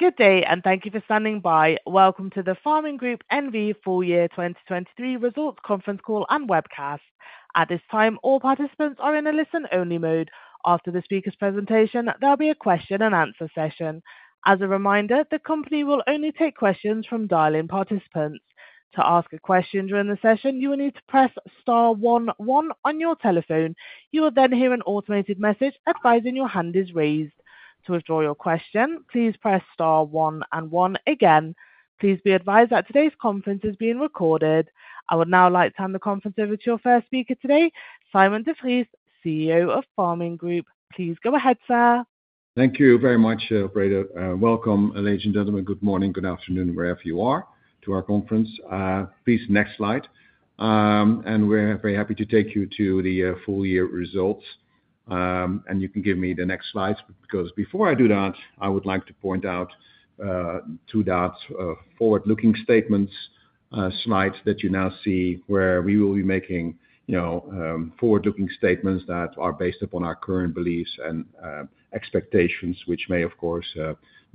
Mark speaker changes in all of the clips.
Speaker 1: Good day, and thank you for standing by. Welcome to the Pharming Group N.V. Full Year 2023 Results Conference Call and Webcast. At this time, all participants are in a listen-only mode. After the speaker's presentation, there will be a question-and-answer session. As a reminder, the company will only take questions from dial-in participants. To ask a question during the session, you will need to press star 1 1 on your telephone. You will then hear an automated message advising your hand is raised. To withdraw your question, please press star 1 and 1 again. Please be advised that today's conference is being recorded. I would now like to hand the conference over to your first speaker today, Sijmen de Vries, CEO of Pharming Group N.V. Please go ahead, sir.
Speaker 2: Thank you very much, Operator. Welcome, ladies and gentlemen. Good morning, good afternoon, wherever you are, to our conference. Please, next slide. We're very happy to take you to the full year results. You can give me the next slides, because before I do that, I would like to point out two dots: forward-looking statements slides that you now see, where we will be making forward-looking statements that are based upon our current beliefs and expectations, which may, of course,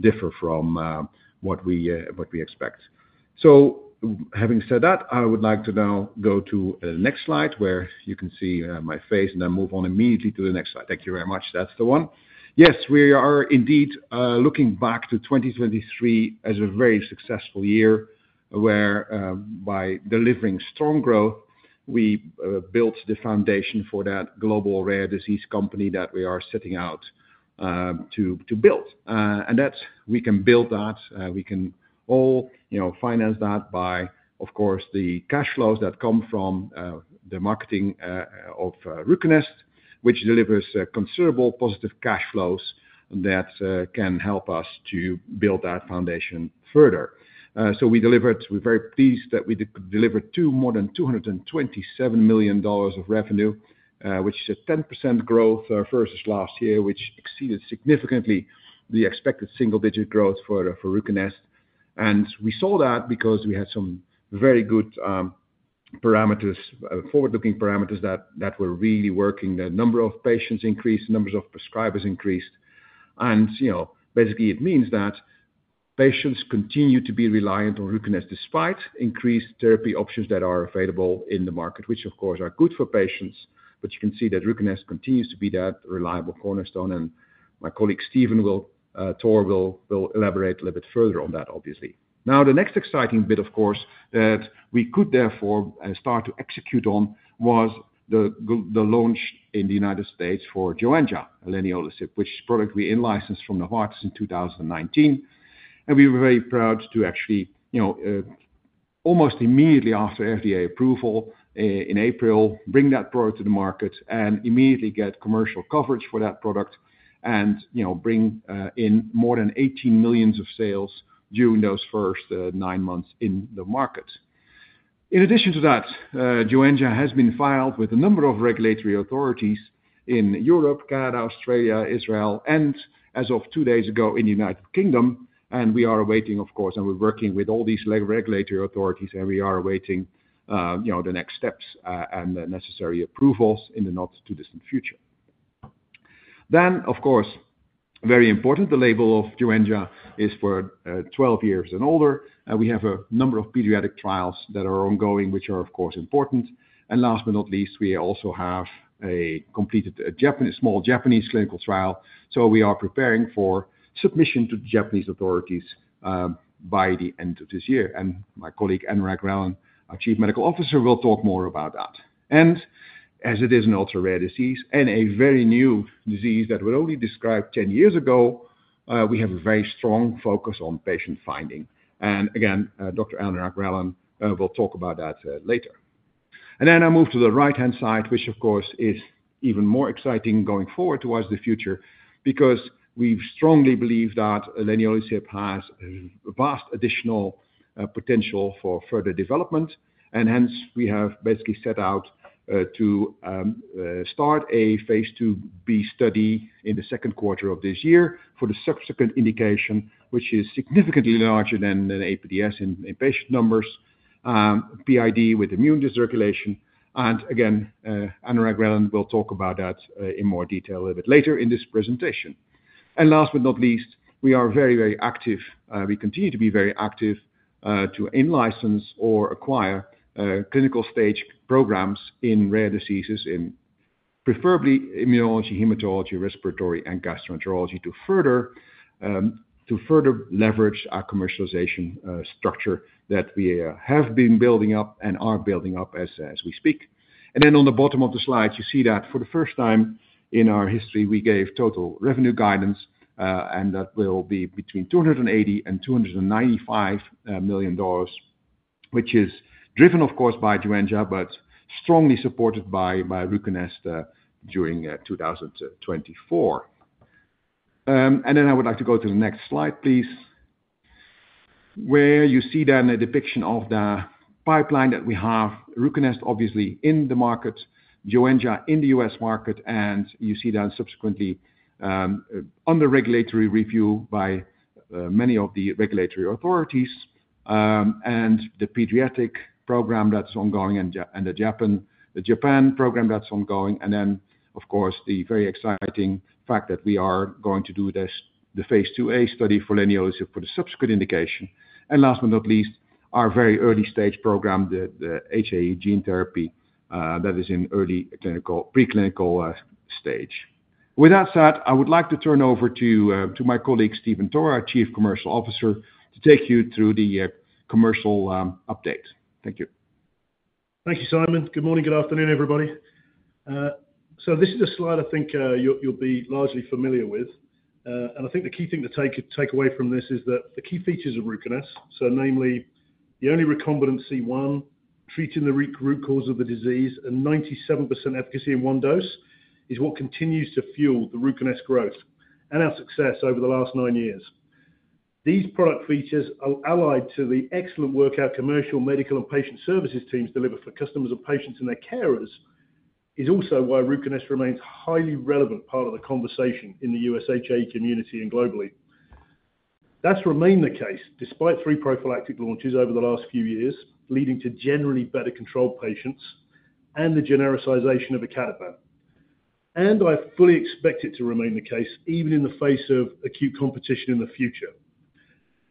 Speaker 2: differ from what we expect. Having said that, I would like to now go to the next slide, where you can see my face, and then move on immediately to the next slide. Thank you very much. That's the one. Yes, we are indeed looking back to 2023 as a very successful year, where by delivering strong growth, we built the foundation for that global rare disease company that we are setting out to build. And we can build that. We can all finance that by, of course, the cash flows that come from the marketing of Ruconest, which delivers considerable positive cash flows that can help us to build that foundation further. So we delivered. We're very pleased that we delivered more than $227 million of revenue, which is a 10% growth versus last year, which exceeded significantly the expected single-digit growth for Ruconest. And we saw that because we had some very good parameters, forward-looking parameters, that were really working. The number of patients increased, the numbers of prescribers increased. Basically, it means that patients continue to be reliant on Ruconest despite increased therapy options that are available in the market, which, of course, are good for patients. But you can see that Ruconest continues to be that reliable cornerstone. My colleague Stephen Toor will elaborate a little bit further on that, obviously. Now, the next exciting bit, of course, that we could therefore start to execute on was the launch in the United States for Joenja, leniolisib, which product we licensed from Novartis in 2019. We were very proud to actually, almost immediately after FDA approval in April, bring that product to the market and immediately get commercial coverage for that product and bring in more than $18 million of sales during those first 9 months in the market. In addition to that, Joenja has been filed with a number of regulatory authorities in Europe, Canada, Australia, Israel, and as of 2 days ago, in the United Kingdom. We are awaiting, of course, and we're working with all these regulatory authorities, and we are awaiting the next steps and the necessary approvals in the not-too-distant future. Then, of course, very important, the label of Joenja is for 12 years and older. We have a number of pediatric trials that are ongoing, which are, of course, important. Last but not least, we also have a completed small Japanese clinical trial. So we are preparing for submission to Japanese authorities by the end of this year. My colleague Anurag Relan, our Chief Medical Officer, will talk more about that. As it is an ultra-rare disease and a very new disease that we only described 10 years ago, we have a very strong focus on patient finding. And again, Dr. Anurag Relan will talk about that later. And then I move to the right-hand side, which, of course, is even more exciting going forward towards the future, because we strongly believe that leniolisib has vast additional potential for further development. And hence, we have basically set out to start a phase 2b study in the second quarter of this year for the subsequent indication, which is significantly larger than APDS in patient numbers, PID with immune dysregulation. And again, Anurag Relan will talk about that in more detail a little bit later in this presentation. And last but not least, we are very, very active. We continue to be very active to license or acquire clinical stage programs in rare diseases, preferably immunology, hematology, respiratory, and gastroenterology, to further leverage our commercialization structure that we have been building up and are building up as we speak. And then on the bottom of the slide, you see that for the first time in our history, we gave total revenue guidance, and that will be between $280-$295 million, which is driven, of course, by Joenja, but strongly supported by Ruconest during 2024. And then I would like to go to the next slide, please, where you see then a depiction of the pipeline that we have: Ruconest, obviously, in the market, Joenja in the U.S. market, and you see then subsequently under regulatory review by many of the regulatory authorities, and the pediatric program that's ongoing and the Japan program that's ongoing. And then, of course, the very exciting fact that we are going to do the phase 2A study for leniolisib for the subsequent indication. And last but not least, our very early stage program, the HAE gene therapy that is in early preclinical stage. With that said, I would like to turn over to my colleague Stephen Toor, our Chief Commercial Officer, to take you through the commercial update. Thank you.
Speaker 3: Thank you, Sijmen. Good morning. Good afternoon, everybody. This is a slide, I think, you'll be largely familiar with. I think the key thing to take away from this is that the key features of Ruconest, so namely the only recombinant C1 treating the root cause of the disease and 97% efficacy in one dose, is what continues to fuel the Ruconest growth and our success over the last nine years. These product features, allied to the excellent work our commercial, medical, and patient services teams deliver for customers and patients and their carers, is also why Ruconest remains a highly relevant part of the conversation in the U.S. HAE community and globally. That's remained the case despite three prophylactic launches over the last few years, leading to generally better controlled patients and the genericization of icatibant. I fully expect it to remain the case, even in the face of acute competition in the future.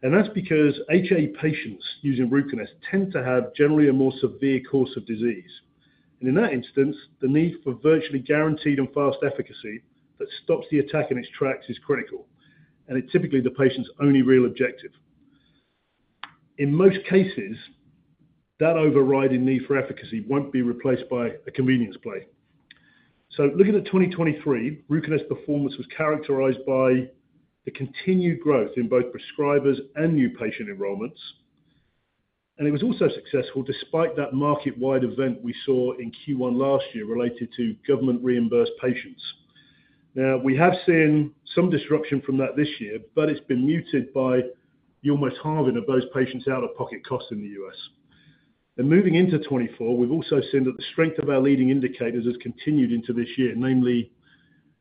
Speaker 3: That's because HAE patients using Ruconest tend to have generally a more severe course of disease. In that instance, the need for virtually guaranteed and fast efficacy that stops the attack in its tracks is critical. It's typically the patient's only real objective. In most cases, that overriding need for efficacy won't be replaced by a convenience play. So looking at 2023, Ruconest performance was characterized by the continued growth in both prescribers and new patient enrollments. It was also successful despite that market-wide event we saw in Q1 last year related to government-reimbursed patients. Now, we have seen some disruption from that this year, but it's been muted by almost halving of those patients' out-of-pocket costs in the U.S. Moving into 2024, we've also seen that the strength of our leading indicators has continued into this year, namely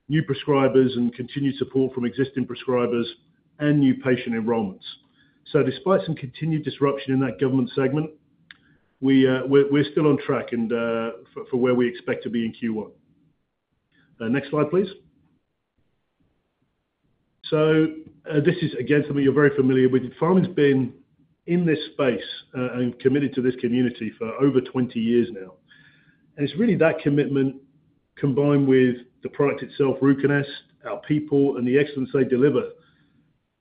Speaker 3: new prescribers and continued support from existing prescribers and new patient enrollments. So despite some continued disruption in that government segment, we're still on track for where we expect to be in Q1. Next slide, please. So this is, again, something you're very familiar with. Pharming's been in this space and committed to this community for over 20 years now. It's really that commitment combined with the product itself, Ruconest, our people, and the excellence they deliver,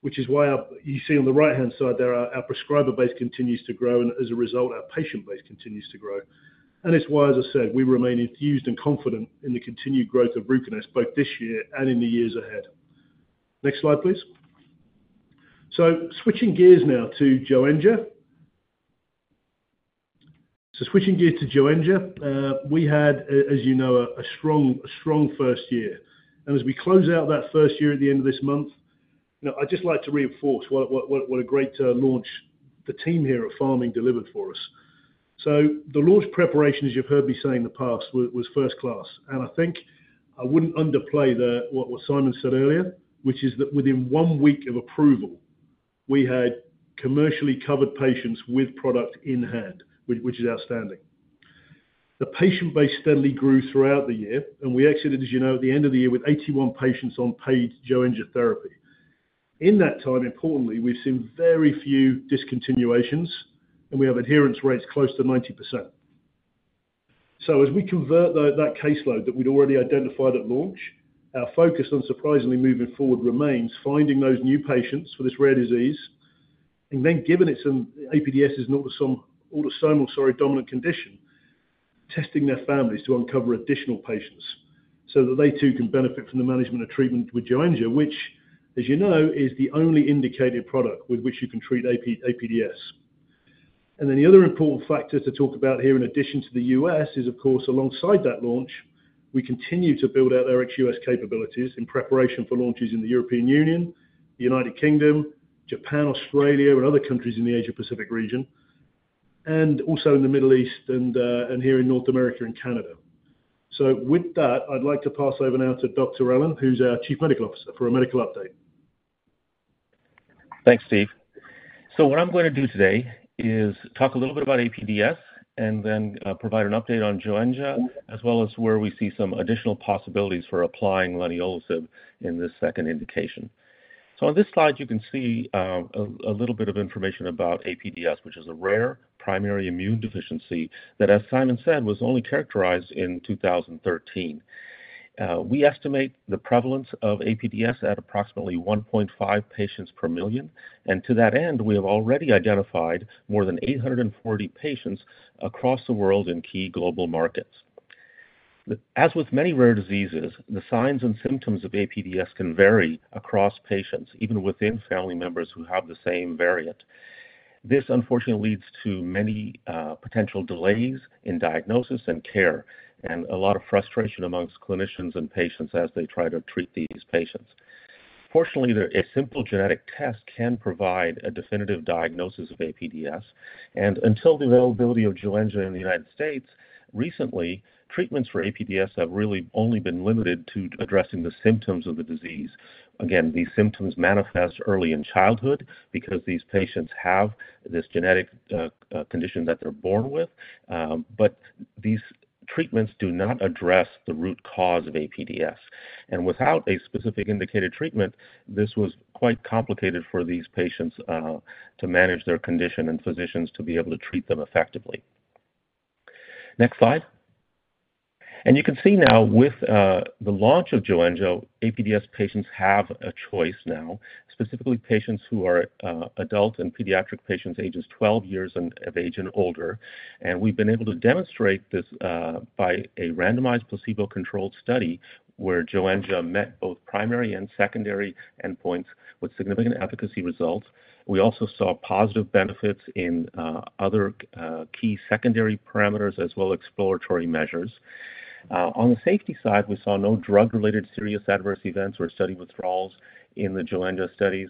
Speaker 3: which is why you see on the right-hand side, there our prescriber base continues to grow, and as a result, our patient base continues to grow. It's why, as I said, we remain enthused and confident in the continued growth of Ruconest, both this year and in the years ahead. Next slide, please. So switching gears now to Joenja. So switching gears to Joenja, we had, as you know, a strong first year. As we close out that first year at the end of this month, I'd just like to reinforce what a great launch the team here at Pharming delivered for us. So the launch preparations, you've heard me say in the past, was first-class. I think I wouldn't underplay what Sijmen said earlier, which is that within one week of approval, we had commercially covered patients with product in hand, which is outstanding. The patient base steadily grew throughout the year. We exited, as you know, at the end of the year with 81 patients on paid Joenja therapy. In that time, importantly, we've seen very few discontinuations, and we have adherence rates close to 90%. So as we convert that caseload that we'd already identified at launch, our focus going forward remains finding those new patients for this rare disease. And then, given APDS is an autosomal dominant condition, testing their families to uncover additional patients so that they, too, can benefit from the management and treatment with Joenja, which, as you know, is the only indicated product with which you can treat APDS. And then the other important factor to talk about here, in addition to the U.S., is, of course, alongside that launch, we continue to build out our ex-U.S. capabilities in preparation for launches in the European Union, the United Kingdom, Japan, Australia, and other countries in the Asia-Pacific region, and also in the Middle East and here in North America and Canada. So with that, I'd like to pass over now to Dr. Relan, who's our Chief Medical Officer, for a medical update.
Speaker 4: Thanks, Steve. So what I'm going to do today is talk a little bit about APDS and then provide an update on Joenja, as well as where we see some additional possibilities for applying leniolisib in this second indication. So on this slide, you can see a little bit of information about APDS, which is a rare primary immune deficiency that, as Sijmen said, was only characterized in 2013. We estimate the prevalence of APDS at approximately 1.5 patients per million. And to that end, we have already identified more than 840 patients across the world in key global markets. As with many rare diseases, the signs and symptoms of APDS can vary across patients, even within family members who have the same variant. This, unfortunately, leads to many potential delays in diagnosis and care and a lot of frustration among clinicians and patients as they try to treat these patients. Fortunately, a simple genetic test can provide a definitive diagnosis of APDS. Until the availability of Joenja in the United States, recently, treatments for APDS have really only been limited to addressing the symptoms of the disease. Again, these symptoms manifest early in childhood because these patients have this genetic condition that they're born with. These treatments do not address the root cause of APDS. Without a specific indicated treatment, this was quite complicated for these patients to manage their condition and physicians to be able to treat them effectively. Next slide. You can see now, with the launch of Joenja, APDS patients have a choice now, specifically patients who are adult and pediatric patients ages 12 years of age and older. We've been able to demonstrate this by a randomized placebo-controlled study where Joenja met both primary and secondary endpoints with significant efficacy results. We also saw positive benefits in other key secondary parameters as well as exploratory measures. On the safety side, we saw no drug-related serious adverse events or study withdrawals in the Joenja studies.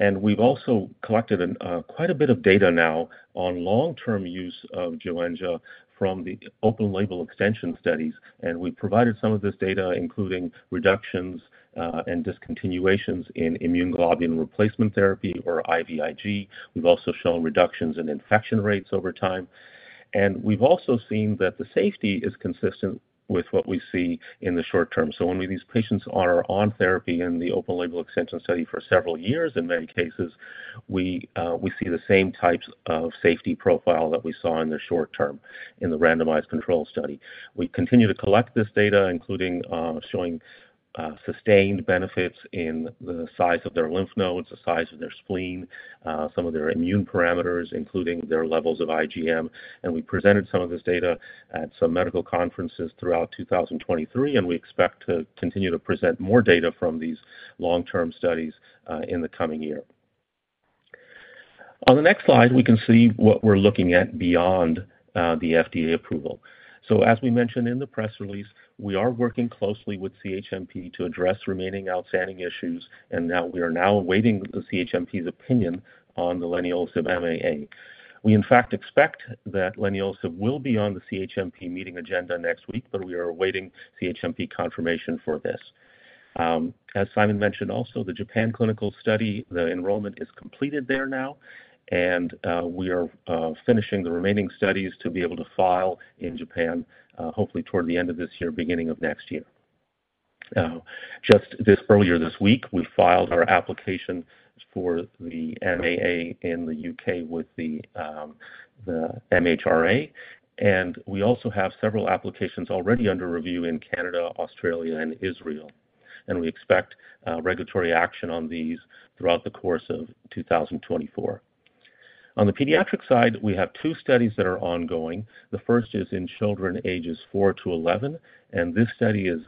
Speaker 4: We've also collected quite a bit of data now on long-term use of Joenja from the open-label extension studies. We've provided some of this data, including reductions and discontinuations in immunoglobulin replacement therapy or IVIG. We've also shown reductions in infection rates over time. We've also seen that the safety is consistent with what we see in the short term. So when these patients are on therapy in the open-label extension study for several years, in many cases, we see the same types of safety profile that we saw in the short term in the randomized control study. We continue to collect this data, including showing sustained benefits in the size of their lymph nodes, the size of their spleen, some of their immune parameters, including their levels of IgM. We presented some of this data at some medical conferences throughout 2023. We expect to continue to present more data from these long-term studies in the coming year. On the next slide, we can see what we're looking at beyond the FDA approval. So as we mentioned in the press release, we are working closely with CHMP to address remaining outstanding issues. We are now awaiting the CHMP's opinion on the leniolisib MAA. We, in fact, expect that leniolisib will be on the CHMP meeting agenda next week, but we are awaiting CHMP confirmation for this. As Sijmen mentioned also, the Japan clinical study, the enrollment is completed there now. We are finishing the remaining studies to be able to file in Japan, hopefully toward the end of this year, beginning of next year. Just earlier this week, we filed our application for the MAA in the U.K. with the MHRA. We also have several applications already under review in Canada, Australia, and Israel. We expect regulatory action on these throughout the course of 2024. On the pediatric side, we have two studies that are ongoing. The first is in children ages 4-11. And this study is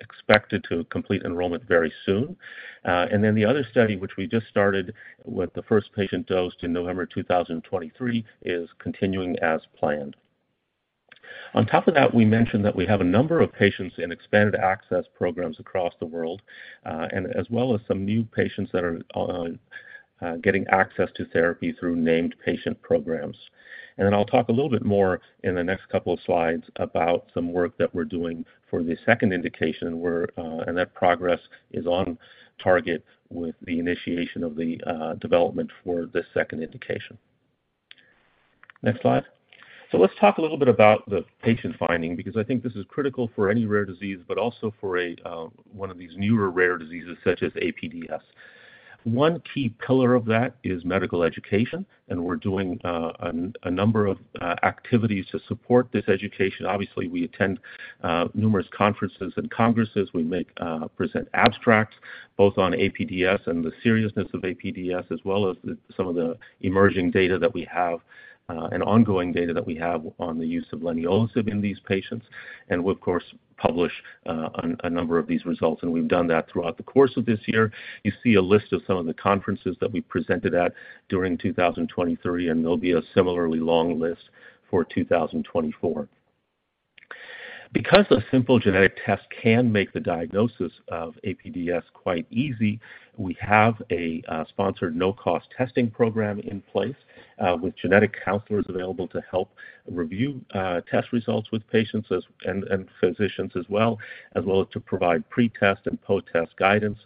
Speaker 4: expected to complete enrollment very soon. And then the other study, which we just started with the first patient dosed in November 2023, is continuing as planned. On top of that, we mentioned that we have a number of patients in expanded access programs across the world, as well as some new patients that are getting access to therapy through named patient programs. And then I'll talk a little bit more in the next couple of slides about some work that we're doing for the second indication. And that progress is on target with the initiation of the development for this second indication. Next slide. So let's talk a little bit about the patient finding because I think this is critical for any rare disease, but also for one of these newer rare diseases such as APDS. One key pillar of that is medical education. And we're doing a number of activities to support this education. Obviously, we attend numerous conferences and congresses. We present abstracts both on APDS and the seriousness of APDS, as well as some of the emerging data that we have and ongoing data that we have on the use of leniolisib in these patients. And we, of course, publish a number of these results. And we've done that throughout the course of this year. You see a list of some of the conferences that we presented at during 2023. And there'll be a similarly long list for 2024. Because a simple genetic test can make the diagnosis of APDS quite easy, we have a sponsored no-cost testing program in place with genetic counselors available to help review test results with patients and physicians as well, as well as to provide pretest and posttest guidance.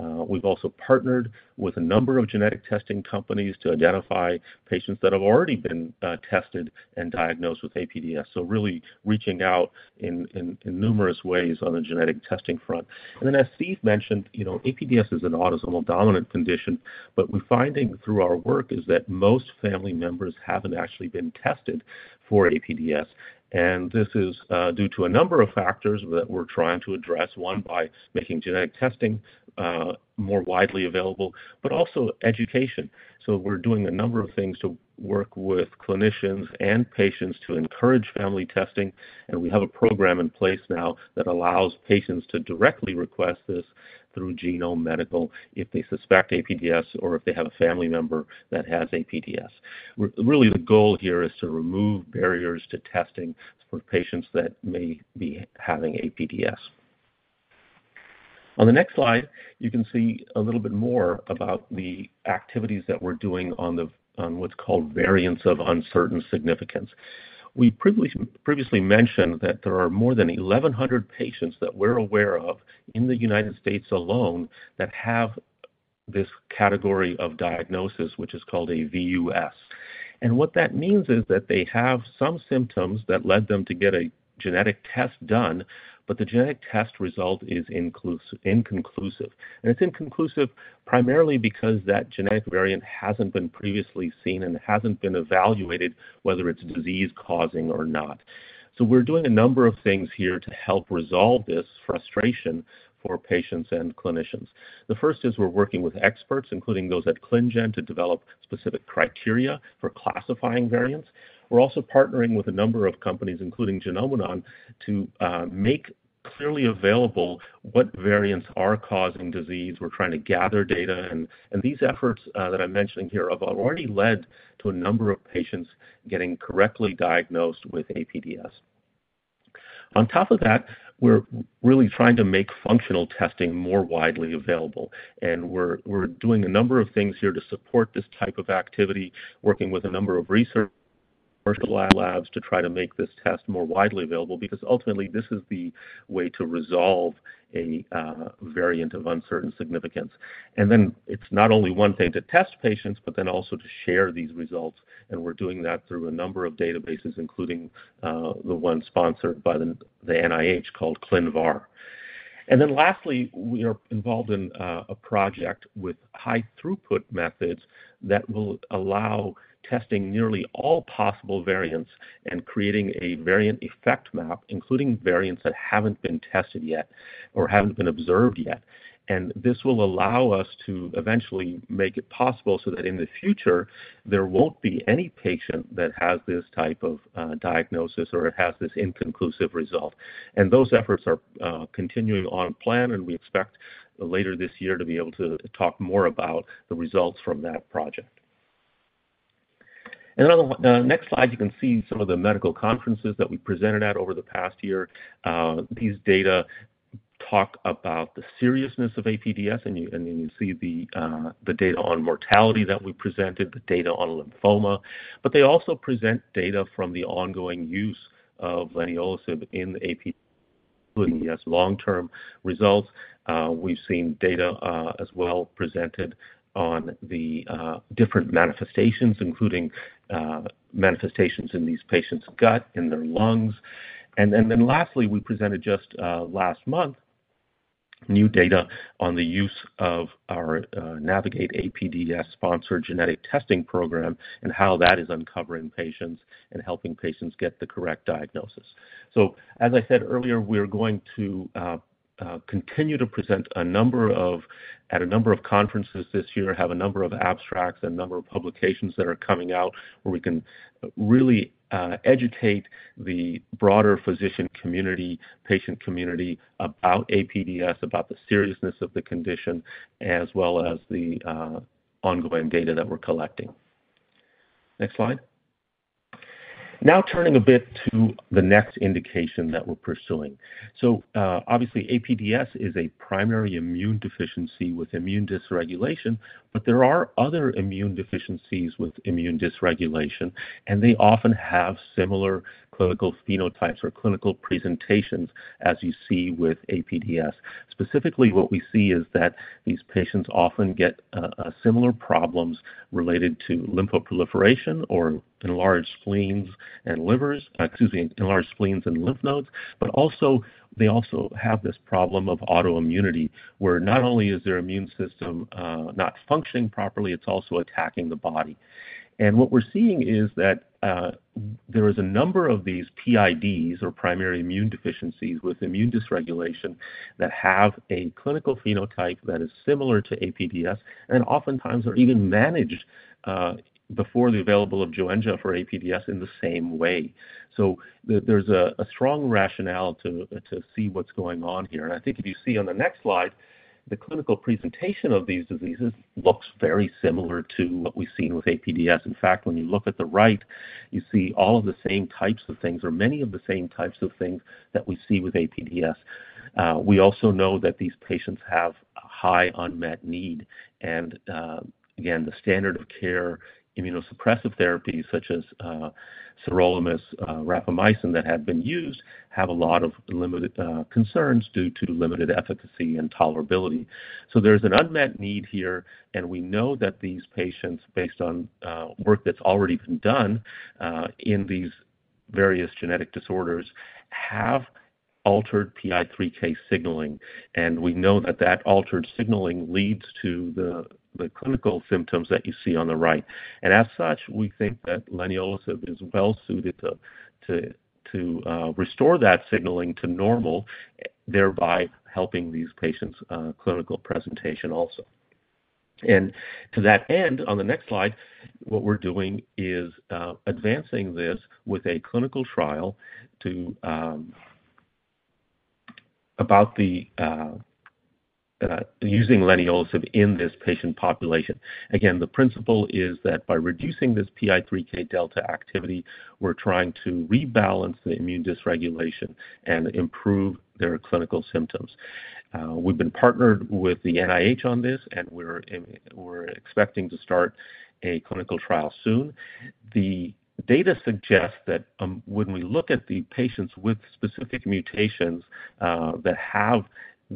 Speaker 4: We've also partnered with a number of genetic testing companies to identify patients that have already been tested and diagnosed with APDS, so really reaching out in numerous ways on the genetic testing front. And then, as Steve mentioned, APDS is an autosomal dominant condition. But we're finding through our work is that most family members haven't actually been tested for APDS. And this is due to a number of factors that we're trying to address, one by making genetic testing more widely available, but also education. So we're doing a number of things to work with clinicians and patients to encourage family testing. We have a program in place now that allows patients to directly request this through Genome Medical if they suspect APDS or if they have a family member that has APDS. Really, the goal here is to remove barriers to testing for patients that may be having APDS. On the next slide, you can see a little bit more about the activities that we're doing on what's called variant of uncertain significance. We previously mentioned that there are more than 1,100 patients that we're aware of in the United States alone that have this category of diagnosis, which is called a VUS. What that means is that they have some symptoms that led them to get a genetic test done, but the genetic test result is inconclusive. It's inconclusive primarily because that genetic variant hasn't been previously seen and hasn't been evaluated, whether it's disease-causing or not. So we're doing a number of things here to help resolve this frustration for patients and clinicians. The first is we're working with experts, including those at ClinGen, to develop specific criteria for classifying variants. We're also partnering with a number of companies, including Genomenon, to make clearly available what variants are causing disease. We're trying to gather data. And these efforts that I'm mentioning here have already led to a number of patients getting correctly diagnosed with APDS. On top of that, we're really trying to make functional testing more widely available. And we're doing a number of things here to support this type of activity, working with a number of researcher labs to try to make this test more widely available because, ultimately, this is the way to resolve a variant of uncertain significance. Then it's not only one thing to test patients, but then also to share these results. We're doing that through a number of databases, including the one sponsored by the NIH called ClinVar. Then lastly, we are involved in a project with high-throughput methods that will allow testing nearly all possible variants and creating a variant effect map, including variants that haven't been tested yet or haven't been observed yet. This will allow us to eventually make it possible so that, in the future, there won't be any patient that has this type of diagnosis or has this inconclusive result. Those efforts are continuing on plan. We expect, later this year, to be able to talk more about the results from that project. On the next slide, you can see some of the medical conferences that we presented at over the past year. These data talk about the seriousness of APDS. And you see the data on mortality that we presented, the data on lymphoma. But they also present data from the ongoing use of leniolisib in the APDS long-term results. We've seen data as well presented on the different manifestations, including manifestations in these patients' gut, in their lungs. And then lastly, we presented just last month new data on the use of our Navigate APDS sponsored genetic testing program and how that is uncovering patients and helping patients get the correct diagnosis. So as I said earlier, we're going to continue to present at a number of conferences this year, have a number of abstracts, and a number of publications that are coming out where we can really educate the broader physician community, patient community, about APDS, about the seriousness of the condition, as well as the ongoing data that we're collecting. Next slide. Now turning a bit to the next indication that we're pursuing. So obviously, APDS is a primary immune deficiency with immune dysregulation. But there are other immune deficiencies with immune dysregulation. And they often have similar clinical phenotypes or clinical presentations, as you see with APDS. Specifically, what we see is that these patients often get similar problems related to lymphoproliferation or enlarged spleens and livers, excuse me, enlarged spleens and lymph nodes. But they also have this problem of autoimmunity, where not only is their immune system not functioning properly, it's also attacking the body. And what we're seeing is that there is a number of these PIDs or primary immune deficiencies with immune dysregulation that have a clinical phenotype that is similar to APDS and oftentimes are even managed before the availability of Joenja for APDS in the same way. So there's a strong rationale to see what's going on here. And I think if you see on the next slide, the clinical presentation of these diseases looks very similar to what we've seen with APDS. In fact, when you look at the right, you see all of the same types of things or many of the same types of things that we see with APDS. We also know that these patients have a high unmet need. And again, the standard of care immunosuppressive therapies, such as sirolimus rapamycin that had been used, have a lot of concerns due to limited efficacy and tolerability. So there's an unmet need here. And we know that these patients, based on work that's already been done in these various genetic disorders, have altered PI3K signaling. And we know that that altered signaling leads to the clinical symptoms that you see on the right. And as such, we think that leniolisib is well-suited to restore that signaling to normal, thereby helping these patients' clinical presentation also. And to that end, on the next slide, what we're doing is advancing this with a clinical trial about using leniolisib in this patient population. Again, the principle is that by reducing this PI3K delta activity, we're trying to rebalance the immune dysregulation and improve their clinical symptoms. We've been partnered with the NIH on this. We're expecting to start a clinical trial soon. The data suggests that when we look at the patients with specific mutations that have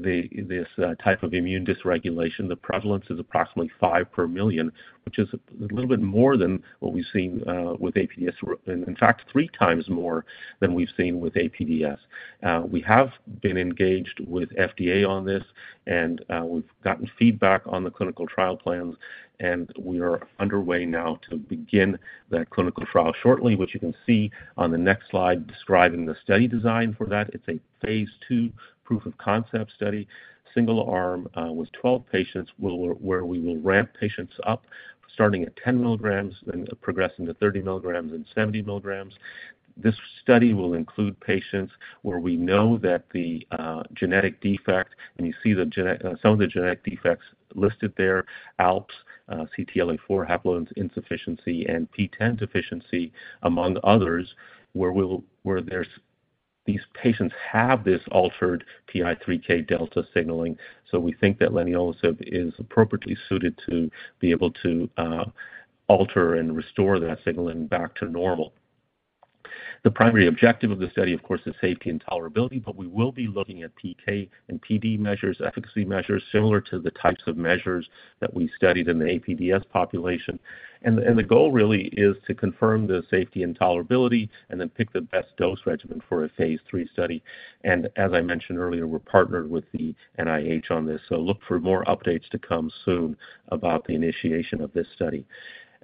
Speaker 4: this type of immune dysregulation, the prevalence is approximately five per million, which is a little bit more than what we've seen with APDS and, in fact, three times more than we've seen with APDS. We have been engaged with FDA on this. We've gotten feedback on the clinical trial plans. We are underway now to begin that clinical trial shortly, which you can see on the next slide describing the study design for that. It's a phase 2 proof of concept study, single-arm with 12 patients, where we will ramp patients up, starting at 10 milligrams, then progressing to 30 milligrams and 70 milligrams. This study will include patients where we know that the genetic defect and you see some of the genetic defects listed there: ALPS, CTLA-4 haploinsufficiency, and PTEN deficiency, among others, where these patients have this altered PI3K delta signaling. We think that leniolisib is appropriately suited to be able to alter and restore that signaling back to normal. The primary objective of the study, of course, is safety and tolerability. We will be looking at PK and PD measures, efficacy measures, similar to the types of measures that we studied in the APDS population. The goal really is to confirm the safety and tolerability and then pick the best dose regimen for a phase 3 study. As I mentioned earlier, we're partnered with the NIH on this. Look for more updates to come soon about the initiation of this study.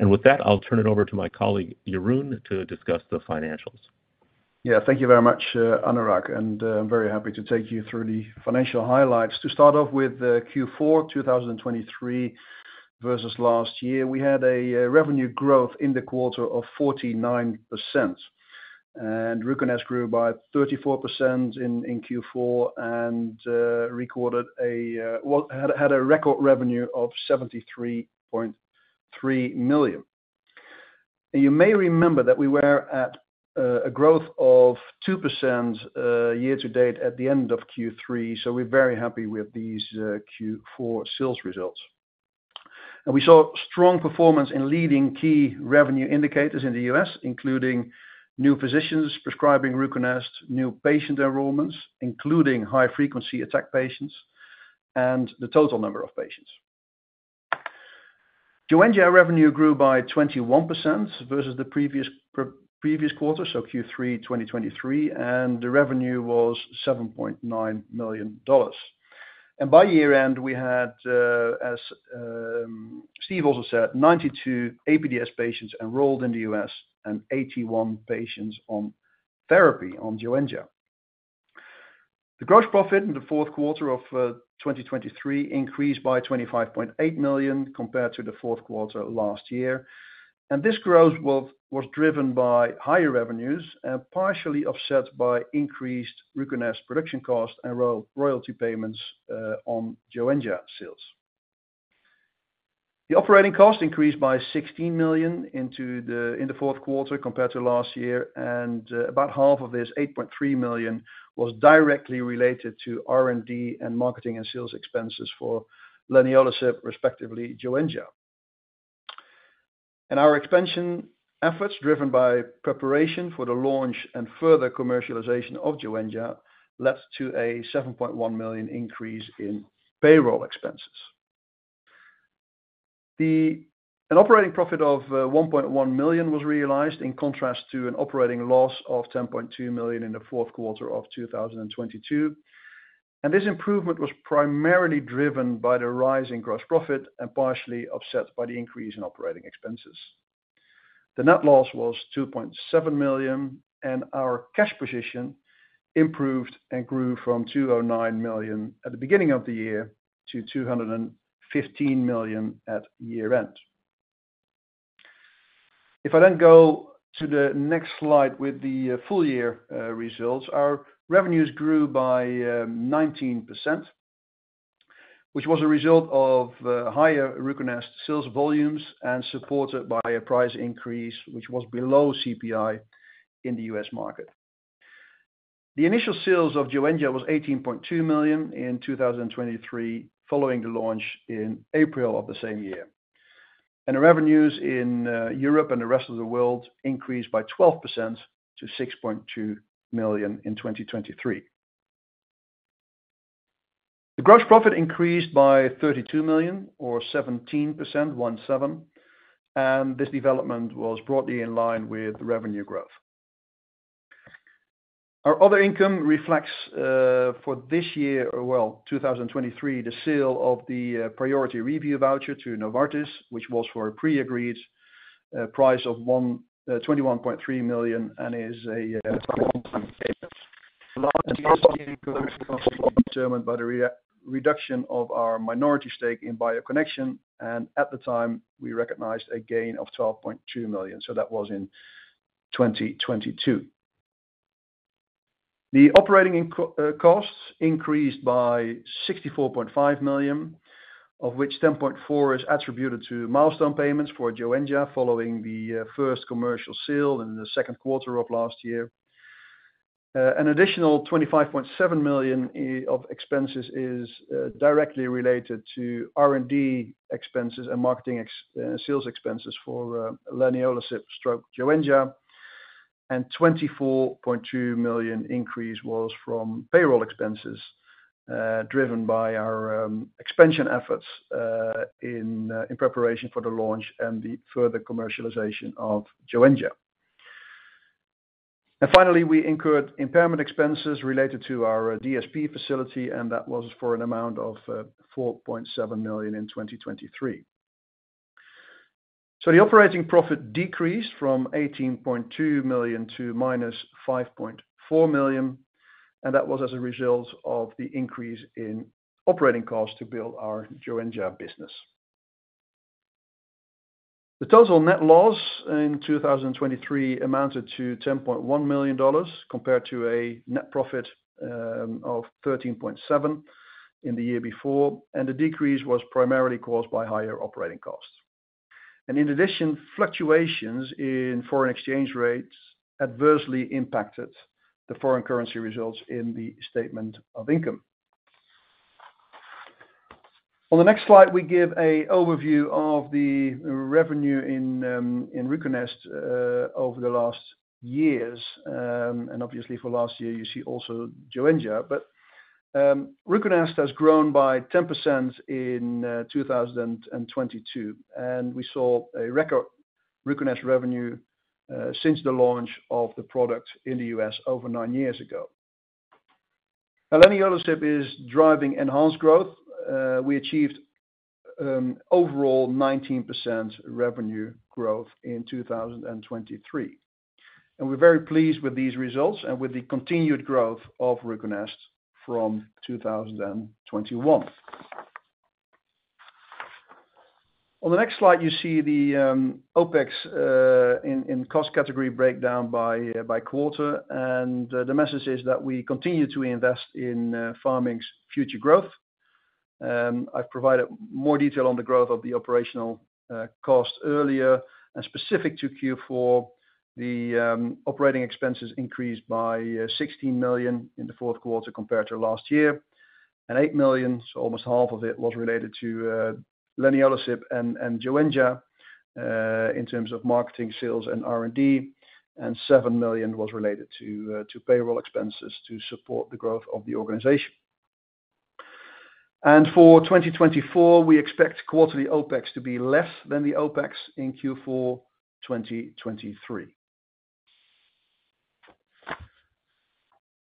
Speaker 4: With that, I'll turn it over to my colleague, Jeroen, to discuss the financials.
Speaker 5: Yeah. Thank you very much, Anurag. I'm very happy to take you through the financial highlights. To start off with Q4 2023 versus last year, we had a revenue growth in the quarter of 49%. Ruconest grew by 34% in Q4 and had a record revenue of $73.3 million. You may remember that we were at a growth of 2% year-to-date at the end of Q3. So we're very happy with these Q4 sales results. We saw strong performance in leading key revenue indicators in the US, including new physicians prescribing Ruconest, new patient enrollments, including high-frequency attack patients, and the total number of patients. Joenja revenue grew by 21% versus the previous quarter, Q3 2023. The revenue was $7.9 million. By year-end, we had, as Steve also said, 92 APDS patients enrolled in the U.S. and 81 patients on therapy on Joenja. The gross profit in the fourth quarter of 2023 increased by $25.8 million compared to the fourth quarter last year. And this growth was driven by higher revenues and partially offset by increased Ruconest production costs and royalty payments on Joenja sales. The operating cost increased by $16 million in the fourth quarter compared to last year. And about half of this, $8.3 million, was directly related to R&D and marketing and sales expenses for leniolisib, respectively, Joenja. And our expansion efforts, driven by preparation for the launch and further commercialization of Joenja, led to a $7.1 million increase in payroll expenses. An operating profit of $1.1 million was realized, in contrast to an operating loss of $10.2 million in the fourth quarter of 2022. This improvement was primarily driven by the rising gross profit and partially offset by the increase in operating expenses. The net loss was $2.7 million. Our cash position improved and grew from $209 million at the beginning of the year to $215 million at year-end. If I then go to the next slide with the full-year results, our revenues grew by 19%, which was a result of higher Ruconest sales volumes and supported by a price increase, which was below CPI in the U.S. market. The initial sales of Joenja was $18.2 million in 2023, following the launch in April of the same year. The revenues in Europe and the rest of the world increased by 12% to $6.2 million in 2023. The gross profit increased by $32 million or 17%. And this development was broadly in line with revenue growth. Our other income reflects for this year, well, 2023, the sale of the priority review voucher to Novartis, which was for a pre-agreed price of $21.3 million and is a product of the economic determined by the reduction of our minority stake in BioConnection. And at the time, we recognized a gain of $12.2 million. So that was in 2022. The operating costs increased by $64.5 million, of which $10.4 million is attributed to milestone payments for Joenja following the first commercial sale in the second quarter of last year. An additional $25.7 million of expenses is directly related to R&D expenses and marketing sales expenses for leniolisib/Joenja. And $24.2 million increase was from payroll expenses driven by our expansion efforts in preparation for the launch and the further commercialization of Joenja. And finally, we incurred impairment expenses related to our DSP facility. That was for an amount of $4.7 million in 2023. So the operating profit decreased from $18.2 million to -$5.4 million. And that was as a result of the increase in operating costs to build our Joenja business. The total net loss in 2023 amounted to $10.1 million compared to a net profit of $13.7 million in the year before. And the decrease was primarily caused by higher operating costs. And in addition, fluctuations in foreign exchange rates adversely impacted the foreign currency results in the statement of income. On the next slide, we give an overview of the revenue in Ruconest over the last years. And obviously, for last year, you see also Joenja. But Ruconest has grown by 10% in 2022. And we saw a record Ruconest revenue since the launch of the product in the US over nine years ago. Leniolisib is driving enhanced growth. We achieved overall 19% revenue growth in 2023. We're very pleased with these results and with the continued growth of Ruconest from 2021. On the next slide, you see the OpEx in cost category breakdown by quarter. The message is that we continue to invest in Pharming's future growth. I've provided more detail on the growth of the operational cost earlier and specific to Q4. The operating expenses increased by $16 million in the fourth quarter compared to last year and $8 million. So almost half of it was related to leniolisib and Joenja in terms of marketing, sales, and R&D. $7 million was related to payroll expenses to support the growth of the organization. For 2024, we expect quarterly OpEx to be less than the OpEx in Q4 2023.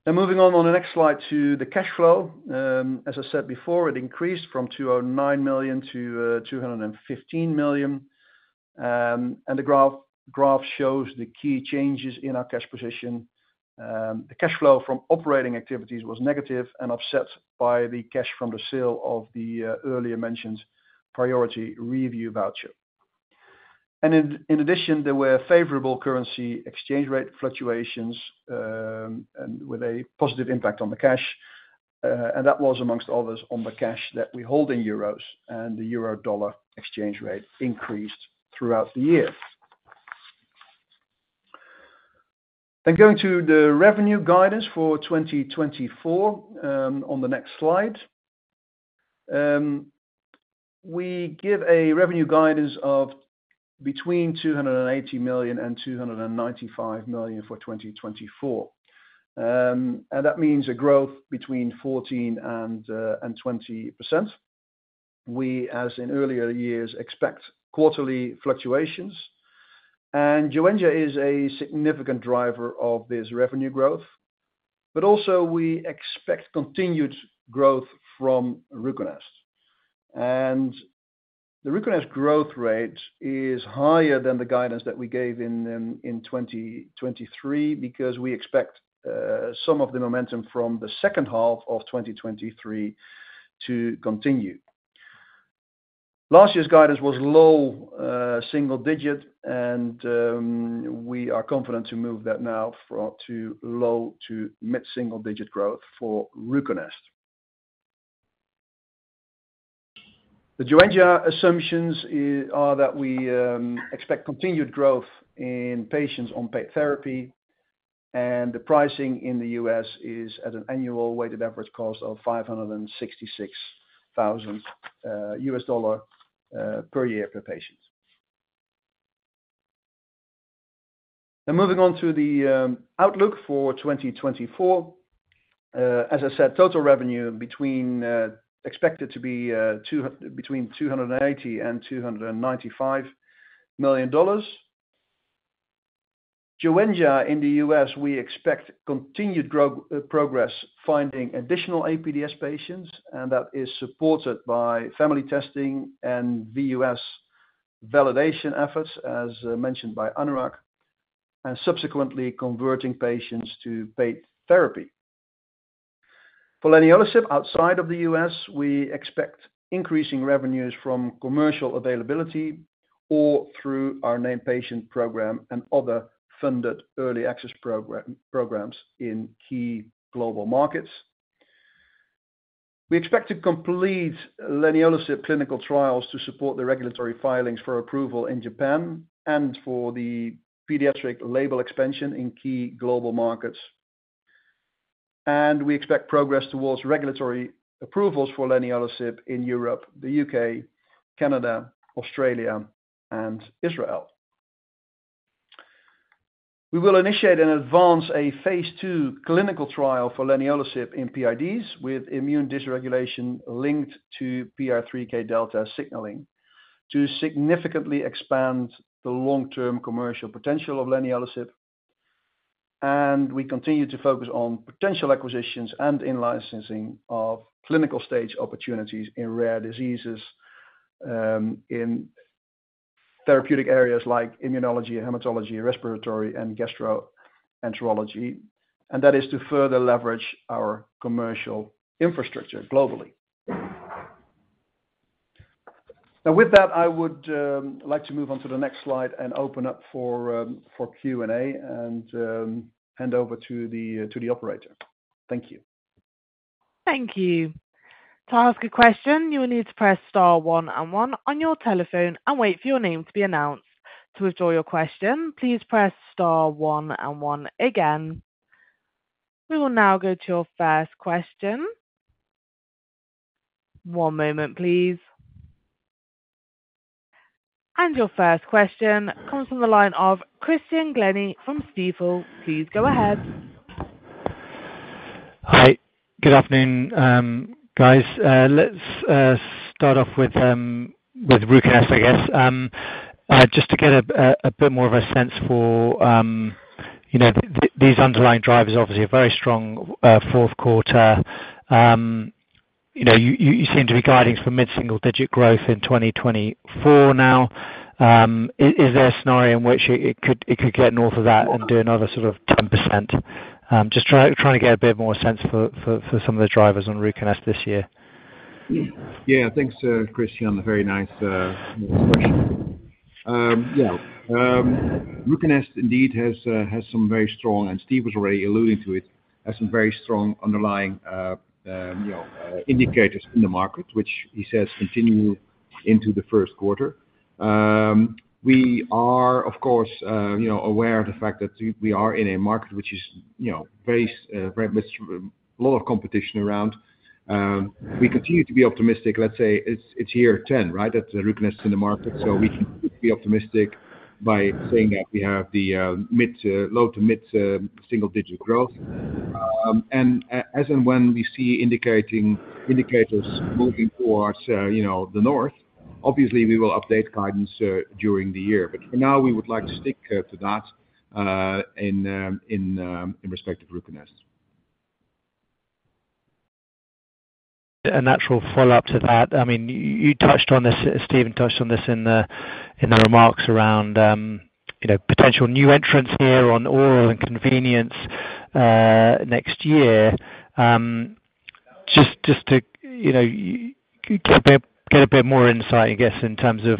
Speaker 5: Now moving on the next slide to the cash flow. As I said before, it increased from $209 million to $215 million. The graph shows the key changes in our cash position. The cash flow from operating activities was negative and offset by the cash from the sale of the earlier mentioned priority review voucher. In addition, there were favorable currency exchange rate fluctuations with a positive impact on the cash. That was amongst others on the cash that we hold in euros. The euro-dollar exchange rate increased throughout the year. Going to the revenue guidance for 2024 on the next slide, we give a revenue guidance of between $280 million and $295 million for 2024. That means a growth between 14% and 20%. We, as in earlier years, expect quarterly fluctuations. Joenja is a significant driver of this revenue growth. But also, we expect continued growth from Ruconest. The Ruconest growth rate is higher than the guidance that we gave in 2023 because we expect some of the momentum from the second half of 2023 to continue. Last year's guidance was low single digit. We are confident to move that now to low to mid single digit growth for Ruconest. The Joenja assumptions are that we expect continued growth in patients on paid therapy. The pricing in the US is at an annual weighted average cost of $566,000 per year per patient. Now moving on to the outlook for 2024. As I said, total revenue between expected to be between $280 million and $295 million. Joenja in the US, we expect continued growth progress finding additional APDS patients. That is supported by family testing and VUS validation efforts, as mentioned by Anurag, and subsequently converting patients to paid therapy. For leniolisib outside of the U.S., we expect increasing revenues from commercial availability or through our Named Patient Program and other funded early access programs in key global markets. We expect to complete leniolisib clinical trials to support the regulatory filings for approval in Japan and for the pediatric label expansion in key global markets. We expect progress towards regulatory approvals for leniolisib in Europe, the U.K., Canada, Australia, and Israel. We will initiate and advance a phase 2 clinical trial for leniolisib in PIDs with immune dysregulation linked to PI3K delta signaling to significantly expand the long-term commercial potential of leniolisib. We continue to focus on potential acquisitions and in-licensing of clinical stage opportunities in rare diseases in therapeutic areas like immunology, hematology, respiratory, and gastroenterology. That is to further leverage our commercial infrastructure globally. Now, with that, I would like to move on to the next slide and open up for Q&A and hand over to the operator. Thank you.
Speaker 1: Thank you. To ask a question, you will need to press star one and one on your telephone and wait for your name to be announced. To withdraw your question, please press star one and one again. We will now go to your first question. One moment, please. And your first question comes from the line of Christian Glennie from Stifel. Please go ahead.
Speaker 6: Hi. Good afternoon, guys. Let's start off with Ruconest, I guess, just to get a bit more of a sense for these underlying drivers. Obviously, a very strong fourth quarter. You seem to be guiding for mid single digit growth in 2024 now. Is there a scenario in which it could get north of that and do another sort of 10%? Just trying to get a bit more sense for some of the drivers on Ruconest this year.
Speaker 2: Yeah. Thanks, Christian. Very nice question. Yeah. Ruconest indeed has some very strong and Steve was already alluding to it as some very strong underlying indicators in the market, which he says continue into the first quarter. We are, of course, aware of the fact that we are in a market which is faced with a lot of competition around. We continue to be optimistic. Let's say it's year 10, right, at Ruconest in the market. So we can be optimistic by saying that we have the mid low to mid single digit growth. And as and when we see indicating indicators moving towards the north, obviously, we will update guidance during the year. But for now, we would like to stick to that in respect of Ruconest.
Speaker 6: A natural follow-up to that. I mean, you touched on this. Stephen touched on this in the remarks around potential new entrants here on oral and convenience next year. Just to get a bit more insight, I guess, in terms of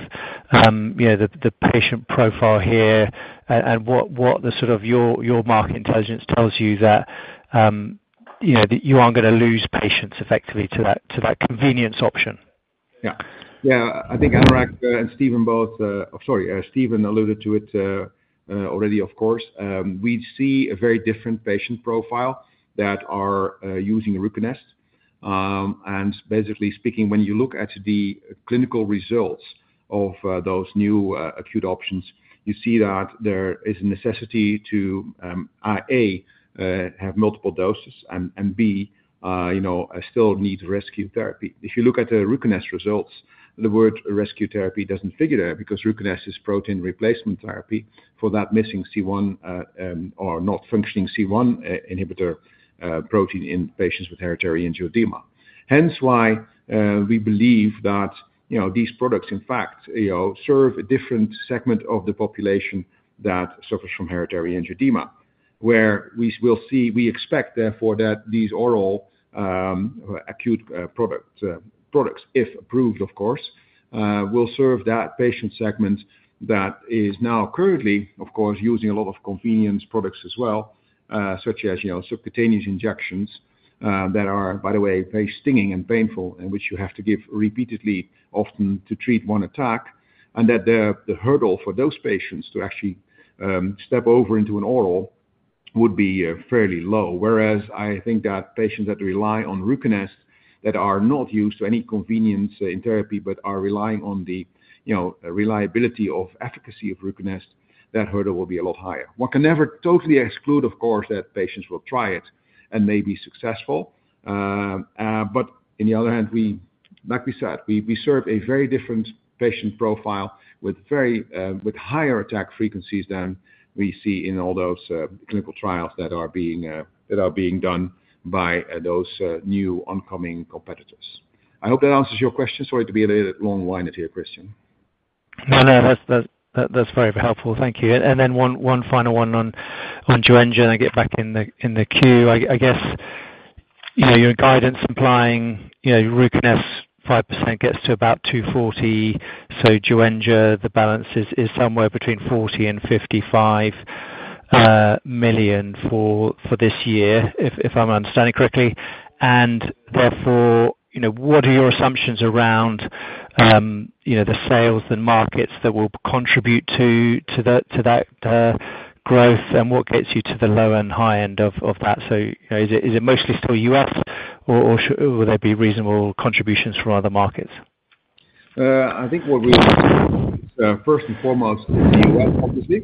Speaker 6: the patient profile here and what the sort of your market intelligence tells you that you aren't going to lose patients effectively to that convenience option.
Speaker 2: Yeah. Yeah. I think Anurag and Stephen both. Sorry, Stephen alluded to it already, of course. We see a very different patient profile that are using Ruconest. And basically speaking, when you look at the clinical results of those new acute options, you see that there is a necessity to, A, have multiple doses and, B, still need rescue therapy. If you look at the Ruconest results, the word rescue therapy doesn't figure there because Ruconest is protein replacement therapy for that missing C1 or not functioning C1 inhibitor protein in patients with hereditary angioedema. Hence why we believe that these products, in fact, serve a different segment of the population that suffers from hereditary angioedema, where we will see we expect, therefore, that these oral acute products if approved, of course, will serve that patient segment that is now currently, of course, using a lot of convenience products as well, such as subcutaneous injections that are, by the way, very stinging and painful and which you have to give repeatedly often to treat one attack. And that the hurdle for those patients to actually step over into an oral would be fairly low. Whereas I think that patients that rely on Ruconest that are not used to any convenience in therapy but are relying on the reliability of efficacy of Ruconest, that hurdle will be a lot higher. One can never totally exclude, of course, that patients will try it and may be successful. But on the other hand, like we said, we serve a very different patient profile with very higher attack frequencies than we see in all those clinical trials that are being done by those new oncoming competitors. I hope that answers your question. Sorry to be a little bit long-winded here, Christian.
Speaker 6: No, no, that's very helpful. Thank you. And then one final one on Joenja. And I get back in the queue, I guess, your guidance implying Ruconest 5% gets to about 240. So Joenja, the balance is somewhere between $40 million and $55 million for this year, if I'm understanding correctly. Therefore, what are your assumptions around the sales and markets that will contribute to that growth and what gets you to the low and high end of that? So is it mostly still U.S. or will there be reasonable contributions from other markets?
Speaker 2: I think what we first and foremost is the U.S., obviously.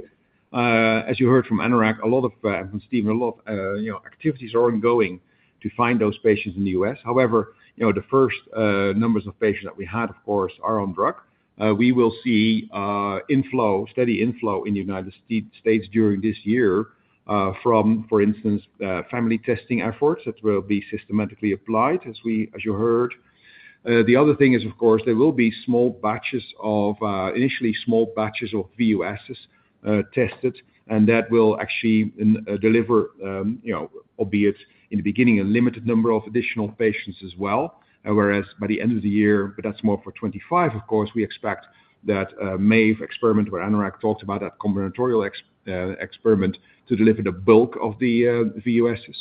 Speaker 2: As you heard from Anurag, a lot of and from Stephen, a lot of activities are ongoing to find those patients in the U.S. However, the first numbers of patients that we had, of course, are on drug. We will see inflow, steady inflow in the United States during this year from, for instance, family testing efforts that will be systematically applied as you heard. The other thing is, of course, there will be small batches of initially small batches of VUSs tested. And that will actually deliver, albeit in the beginning, a limited number of additional patients as well. Whereas by the end of the year, but that's more for 2025, of course, we expect that MAVE experiment where Anurag talked about that combinatorial experiment to deliver the bulk of the VUSs.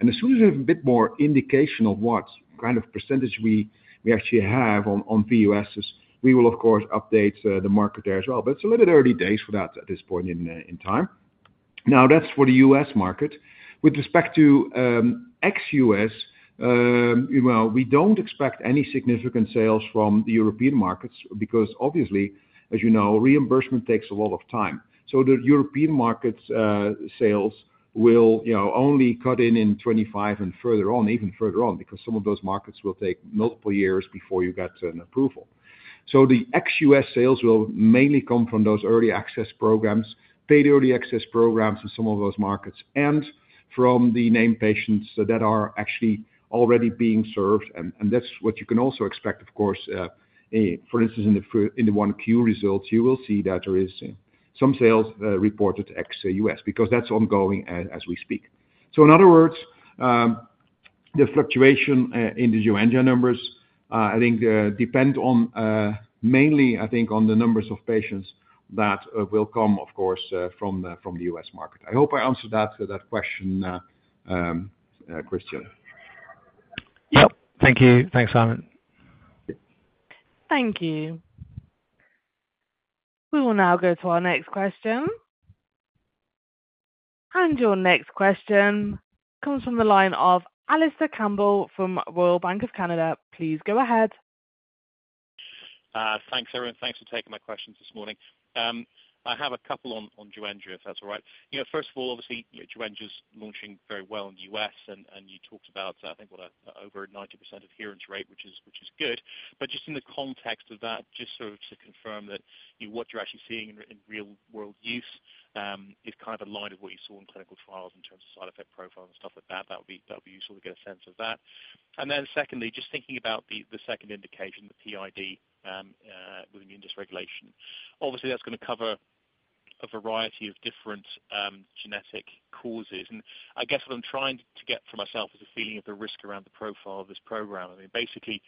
Speaker 2: And as soon as we have a bit more indication of what kind of percentage we actually have on VUSs, we will, of course, update the market there as well. But it's a little bit early days for that at this point in time. Now, that's for the US market. With respect to ex-US, we don't expect any significant sales from the European markets because, obviously, as you know, reimbursement takes a lot of time. So the European markets sales will only cut in in 2025 and further on, even further on, because some of those markets will take multiple years before you get an approval. So the ex-US sales will mainly come from those early access programs, paid early access programs in some of those markets, and from the named patients that are actually already being served. And that's what you can also expect, of course. For instance, in the Q1 results, you will see that there is some sales reported to ex-US because that's ongoing as we speak. So in other words, the fluctuation in the Joenja numbers, I think, depend on mainly, I think, on the numbers of patients that will come, of course, from the US market. I hope I answered that question, Christian.
Speaker 6: Yep. Thank you. Thanks, Sijmen.
Speaker 2: Thank you. We will now go to our next question. And your next question comes from the line of Alistair Campbell from Royal Bank of Canada. Please go ahead.
Speaker 7: Thanks, everyone. Thanks for taking my questions this morning. I have a couple on Joenja, if that's all right. First of all, obviously, Joenja is launching very well in the US. And you talked about, I think, over 90% adherence rate, which is good. But just in the context of that, just sort of to confirm that what you're actually seeing in real-world use is kind of in line with what you saw in clinical trials in terms of side effect profile and stuff like that. That would be useful to get a sense of that. And then secondly, just thinking about the second indication, the PID with immune dysregulation, obviously, that's going to cover a variety of different genetic causes. I guess what I'm trying to get for myself is a feeling of the risk around the profile of this program. I mean, basically,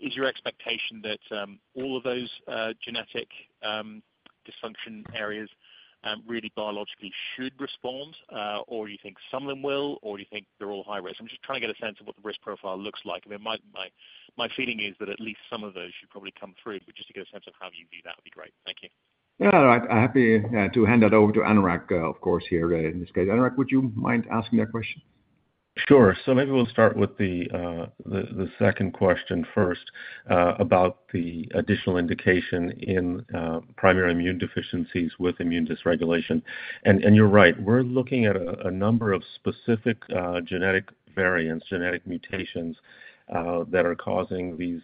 Speaker 7: is your expectation that all of those genetic dysfunction areas really biologically should respond, or do you think some of them will, or do you think they're all high risk? I'm just trying to get a sense of what the risk profile looks like. I mean, my feeling is that at least some of those should probably come through. But just to get a sense of how you view that would be great. Thank you.
Speaker 2: Yeah. I'm happy to hand that over to Anurag, of course, here in this case. Anurag, would you mind asking that question?
Speaker 4: Sure. So maybe we'll start with the second question first about the additional indication in primary immune deficiencies with immune dysregulation. You're right. We're looking at a number of specific genetic variants, genetic mutations that are causing this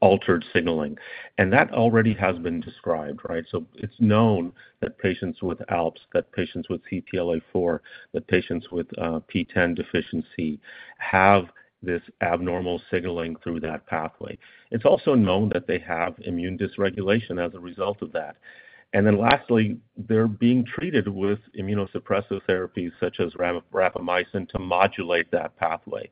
Speaker 4: altered signaling. That already has been described, right? So it's known that patients with ALPS, that patients with CTLA-4, that patients with PTEN deficiency have this abnormal signaling through that pathway. It's also known that they have immune dysregulation as a result of that. Then lastly, they're being treated with immunosuppressive therapies such as rapamycin to modulate that pathway.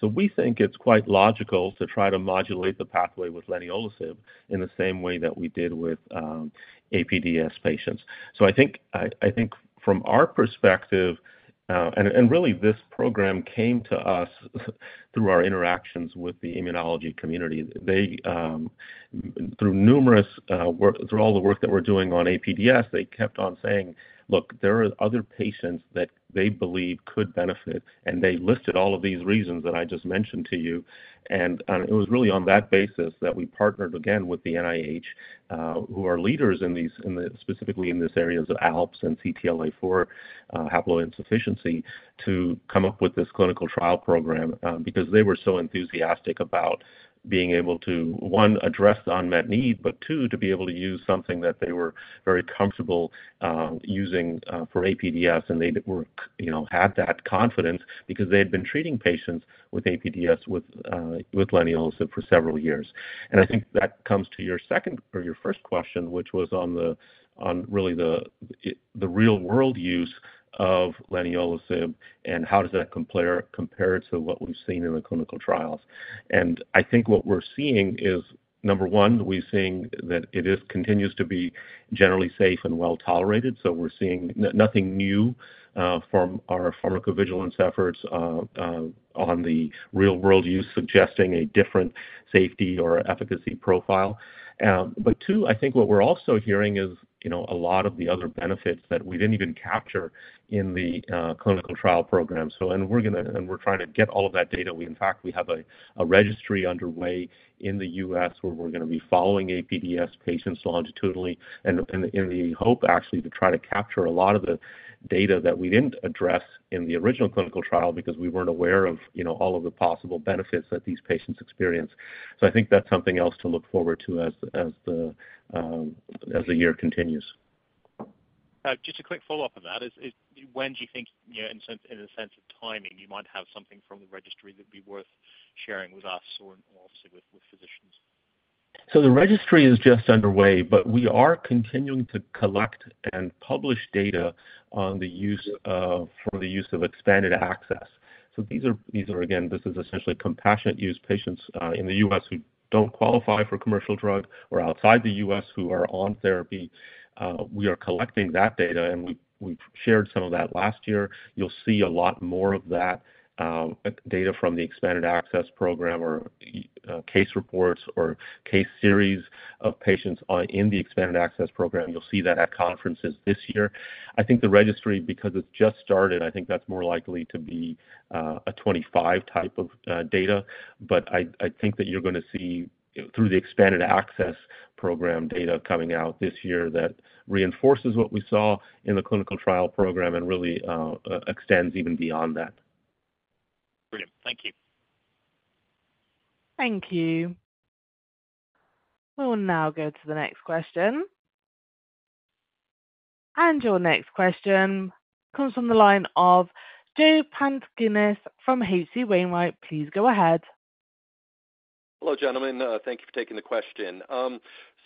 Speaker 4: So we think it's quite logical to try to modulate the pathway with leniolisib in the same way that we did with APDS patients. So I think from our perspective and really, this program came to us through our interactions with the immunology community. Through all the work that we're doing on APDS, they kept on saying, "Look, there are other patients that they believe could benefit." They listed all of these reasons that I just mentioned to you. It was really on that basis that we partnered again with the NIH, who are leaders in these specifically in these areas of ALPS and CTLA-4 haploinsufficiency, to come up with this clinical trial program because they were so enthusiastic about being able to, one, address the unmet need, but two, to be able to use something that they were very comfortable using for APDS. They had that confidence because they had been treating patients with APDS with leniolisib for several years. I think that comes to your second or your first question, which was on really the real-world use of leniolisib and how does that compare to what we've seen in the clinical trials. I think what we're seeing is, number one, we're seeing that it continues to be generally safe and well tolerated. So we're seeing nothing new from our pharmacovigilance efforts on the real-world use suggesting a different safety or efficacy profile. But two, I think what we're also hearing is a lot of the other benefits that we didn't even capture in the clinical trial program. And we're going to and we're trying to get all of that data. In fact, we have a registry underway in the U.S. where we're going to be following APDS patients longitudinally in the hope, actually, to try to capture a lot of the data that we didn't address in the original clinical trial because we weren't aware of all of the possible benefits that these patients experience. So I think that's something else to look forward to as the year continues.
Speaker 7: Just a quick follow-up on that. When do you think, in the sense of timing, you might have something from the registry that would be worth sharing with us or obviously with physicians?
Speaker 4: So the registry is just underway. But we are continuing to collect and publish data for the use of expanded access. So these are again, this is essentially compassionate use. Patients in the U.S. who don't qualify for commercial drug or outside the U.S. who are on therapy, we are collecting that data. We've shared some of that last year. You'll see a lot more of that data from the expanded access program or case reports or case series of patients in the expanded access program. You'll see that at conferences this year. I think the registry, because it's just started, I think that's more likely to be a 25 type of data. But I think that you're going to see through the expanded access program data coming out this year that reinforces what we saw in the clinical trial program and really extends even beyond that.
Speaker 7: Brilliant. Thank you.
Speaker 1: Thank you. We will now go to the next question. Your next question comes from the line of Joe Pantginis from H.C. Wainwright. Please go ahead.
Speaker 8: Hello, gentlemen. Thank you for taking the question.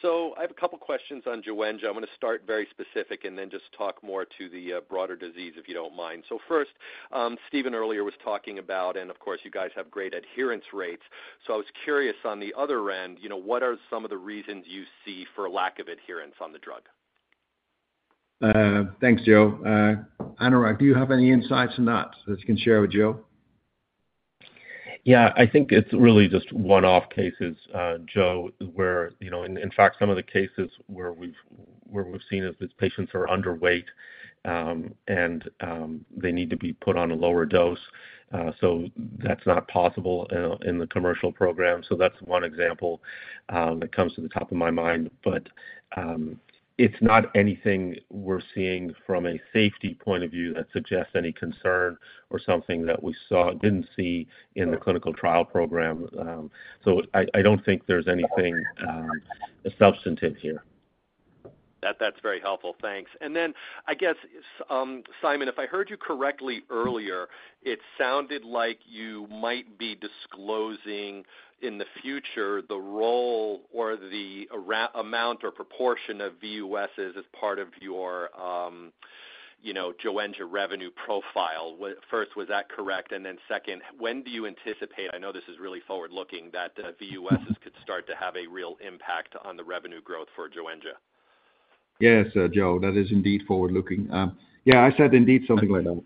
Speaker 8: So I have a couple of questions on Joenja. I'm going to start very specific and then just talk more to the broader disease, if you don't mind. So first, Stephen earlier was talking about and of course, you guys have great adherence rates. So I was curious on the other end, what are some of the reasons you see for lack of adherence on the drug?
Speaker 2: Thanks, Joe. Anurag, do you have any insights on that that you can share with Joe?
Speaker 4: Yeah. I think it's really just one-off cases, Joe, where in fact, some of the cases where we've seen is these patients are underweight and they need to be put on a lower dose. So that's not possible in the commercial program. So that's one example that comes to the top of my mind. It's not anything we're seeing from a safety point of view that suggests any concern or something that we didn't see in the clinical trial program. So I don't think there's anything substantive here.
Speaker 8: That's very helpful. Thanks. Then I guess, Sijmen, if I heard you correctly earlier, it sounded like you might be disclosing in the future the role or the amount or proportion of VUSs as part of your Joenja revenue profile. First, was that correct? Then second, when do you anticipate I know this is really forward-looking that the VUSs could start to have a real impact on the revenue growth for Joenja?
Speaker 2: Yes, Joe. That is indeed forward-looking. Yeah. I said indeed something like that.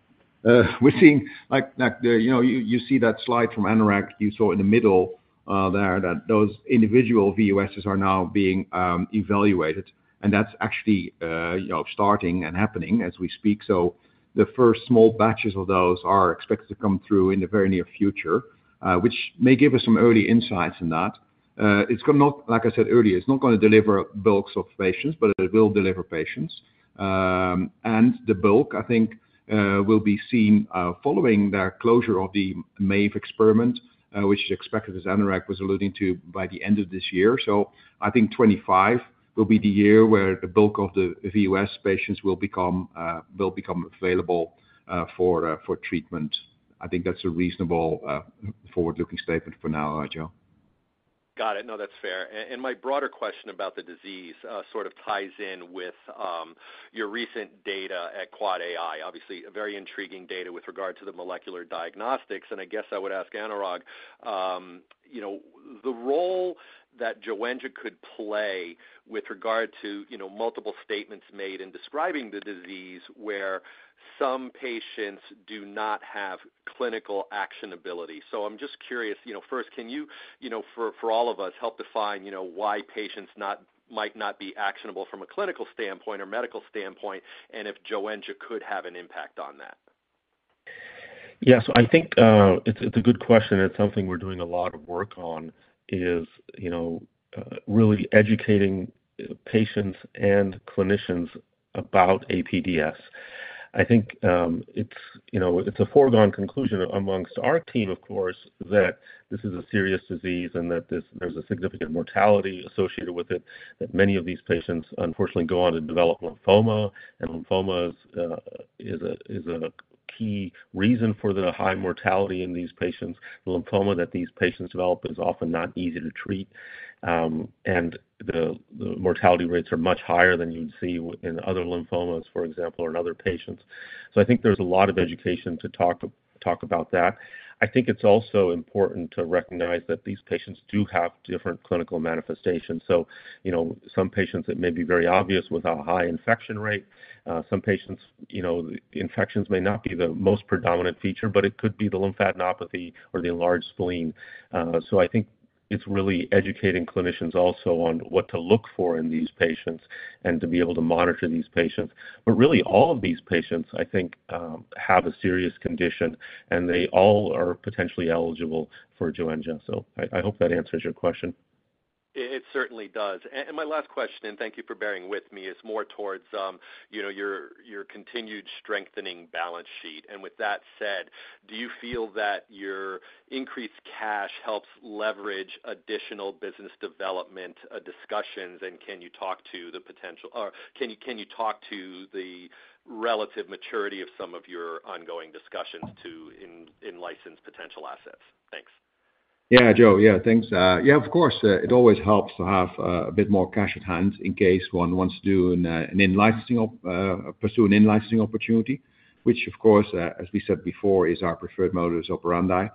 Speaker 2: We're seeing you see that slide from Anurag you saw in the middle there that those individual VUSs are now being evaluated. And that's actually starting and happening as we speak. So the first small batches of those are expected to come through in the very near future, which may give us some early insights in that. Like I said earlier, it's not going to deliver bulks of patients, but it will deliver patients. And the bulk, I think, will be seen following the closure of the MAVE experiment, which is expected, as Anurag was alluding to, by the end of this year. So I think 2025 will be the year where the bulk of the VUS patients will become available for treatment. I think that's a reasonable forward-looking statement for now, Joe.
Speaker 8: Got it. No, that's fair. And my broader question about the disease sort of ties in with your recent data at QuadAI, obviously, very intriguing data with regard to the molecular diagnostics. I guess I would ask Anurag, the role that Joenja could play with regard to multiple statements made in describing the disease where some patients do not have clinical actionability. So I'm just curious, first, can you, for all of us, help define why patients might not be actionable from a clinical standpoint or medical standpoint and if Joenja could have an impact on that?
Speaker 4: Yes. I think it's a good question. It's something we're doing a lot of work on is really educating patients and clinicians about APDS. I think it's a foregone conclusion amongst our team, of course, that this is a serious disease and that there's a significant mortality associated with it, that many of these patients, unfortunately, go on to develop lymphoma. And lymphoma is a key reason for the high mortality in these patients. The lymphoma that these patients develop is often not easy to treat. And the mortality rates are much higher than you'd see in other lymphomas, for example, or in other patients. So I think there's a lot of education to talk about that. I think it's also important to recognize that these patients do have different clinical manifestations. So some patients, it may be very obvious with a high infection rate. Some patients, infections may not be the most predominant feature, but it could be the lymphadenopathy or the enlarged spleen. So I think it's really educating clinicians also on what to look for in these patients and to be able to monitor these patients. But really, all of these patients, I think, have a serious condition. And they all are potentially eligible for Joenja. So I hope that answers your question.
Speaker 8: It certainly does. And my last question, and thank you for bearing with me, is more towards your continued strengthening balance sheet. And with that said, do you feel that your increased cash helps leverage additional business development discussions? And can you talk to the potential or can you talk to the relative maturity of some of your ongoing discussions in licensed potential assets? Thanks.
Speaker 2: Yeah, Joe. Yeah. Thanks. Yeah, of course. It always helps to have a bit more cash at hand in case one wants to pursue an in-licensing opportunity, which, of course, as we said before, is our preferred modus operandi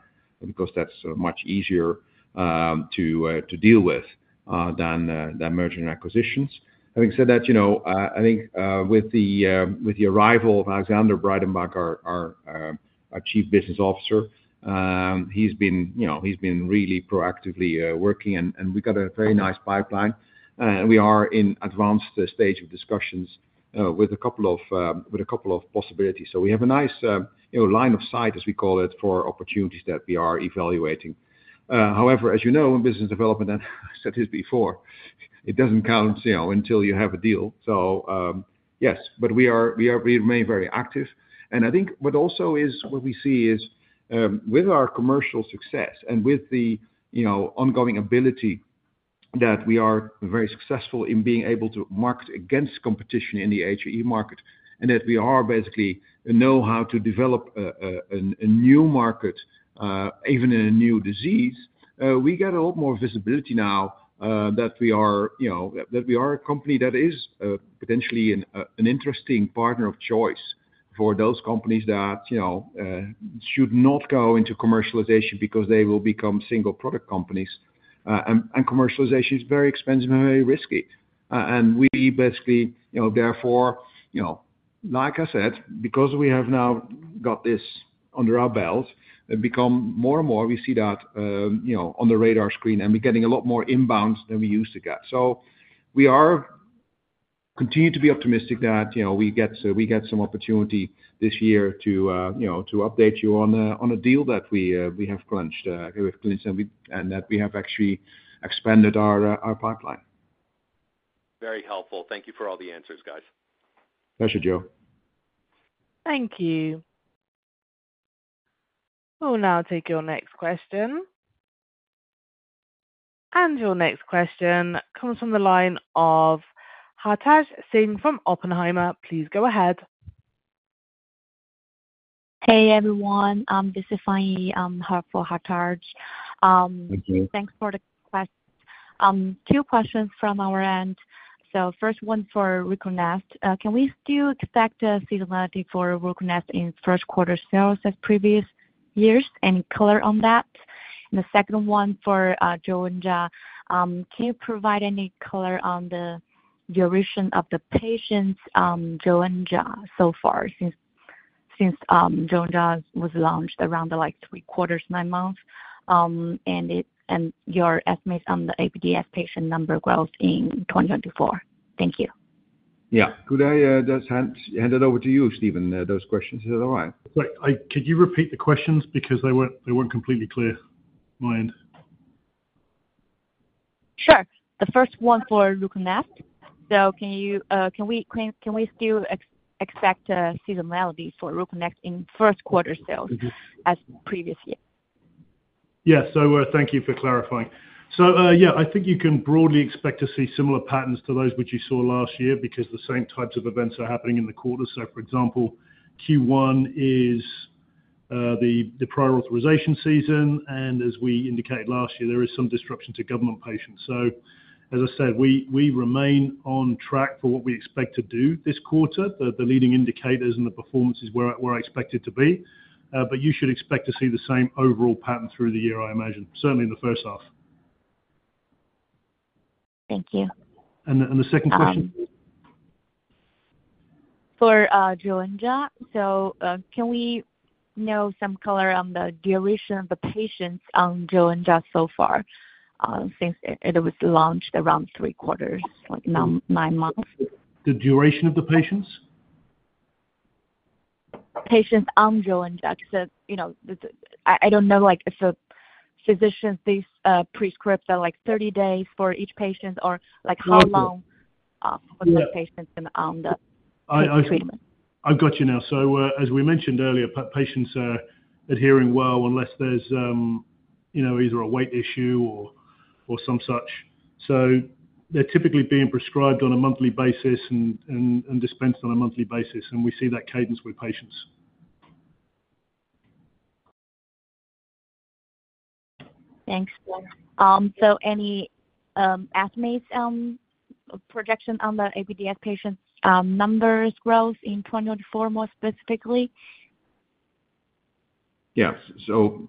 Speaker 2: because that's much easier to deal with than mergers and acquisitions. Having said that, I think with the arrival of Alexander Breidenbach, our Chief Business Officer, he's been really proactively working. And we've got a very nice pipeline. We are in advanced stage of discussions with a couple of possibilities. So we have a nice line of sight, as we call it, for opportunities that we are evaluating. However, as you know, in business development, and I've said this before, it doesn't count until you have a deal. So yes. But we remain very active. I think what also is what we see is with our commercial success and with the ongoing ability that we are very successful in being able to market against competition in the HAE market and that we basically know how to develop a new market, even in a new disease, we get a lot more visibility now that we are a company that is potentially an interesting partner of choice for those companies that should not go into commercialization because they will become single-product companies. And commercialization is very expensive and very risky. And we basically, therefore, like I said, because we have now got this under our belt, it becomes more and more we see that on the radar screen. And we're getting a lot more inbound than we used to get. So we continue to be optimistic that we get some opportunity this year to update you on a deal that we have clinched and that we have actually expanded our pipeline.
Speaker 8: Very helpful. Thank you for all the answers, guys.
Speaker 2: Pleasure, Joe.
Speaker 1: Thank you. We will now take your next question. And your next question comes from the line of Hartaj Singh from Oppenheimer. Please go ahead.
Speaker 9: Hey, everyone. This is Fanny for Hartaj. Thanks for the questions. Two questions from our end. So first one for Ruconest. Can we still expect seasonality for Ruconest in first-quarter sales as previous years? Any color on that? And the second one for Joenja, can you provide any color on the duration of the patient's Joenja so far since Joenja was launched around 3 quarters, 9 months, and your estimates on the APDS patient number growth in 2024? Thank you.
Speaker 2: Yeah. Could I just hand it over to you, Stephen, those questions? Is that all right?
Speaker 3: Could you repeat the questions because they weren't completely clear? My end.
Speaker 9: Sure. The first one for Ruconest. So can we still expect seasonality for Ruconest in first-quarter sales as previous years?
Speaker 3: Yes. So thank you for clarifying. So yeah, I think you can broadly expect to see similar patterns to those which you saw last year because the same types of events are happening in the quarters. So for example, Q1 is the prior authorization season. And as we indicated last year, there is some disruption to government patients. So as I said, we remain on track for what we expect to do this quarter. The leading indicators and the performances where we're expected to be. But you should expect to see the same overall pattern through the year, I imagine, certainly in the first half.
Speaker 9: Thank you.
Speaker 3: And the second question?
Speaker 9: For Joenja, so can we know some color on the duration of the patients on Joenja so far since it was launched around 3/4, 9 months?
Speaker 3: The duration of the patients?
Speaker 9: Patients on Joenja. Because I don't know if the physicians prescribe the 30 days for each patient or how long for those patients on the treatment.
Speaker 3: I've got you now. So as we mentioned earlier, patients are adhering well unless there's either a weight issue or some such. So they're typically being prescribed on a monthly basis and dispensed on a monthly basis. And we see that cadence with patients.
Speaker 9: Thanks. So any estimates projection on the APDS patient numbers growth in 2024, more specifically?
Speaker 2: Yes. So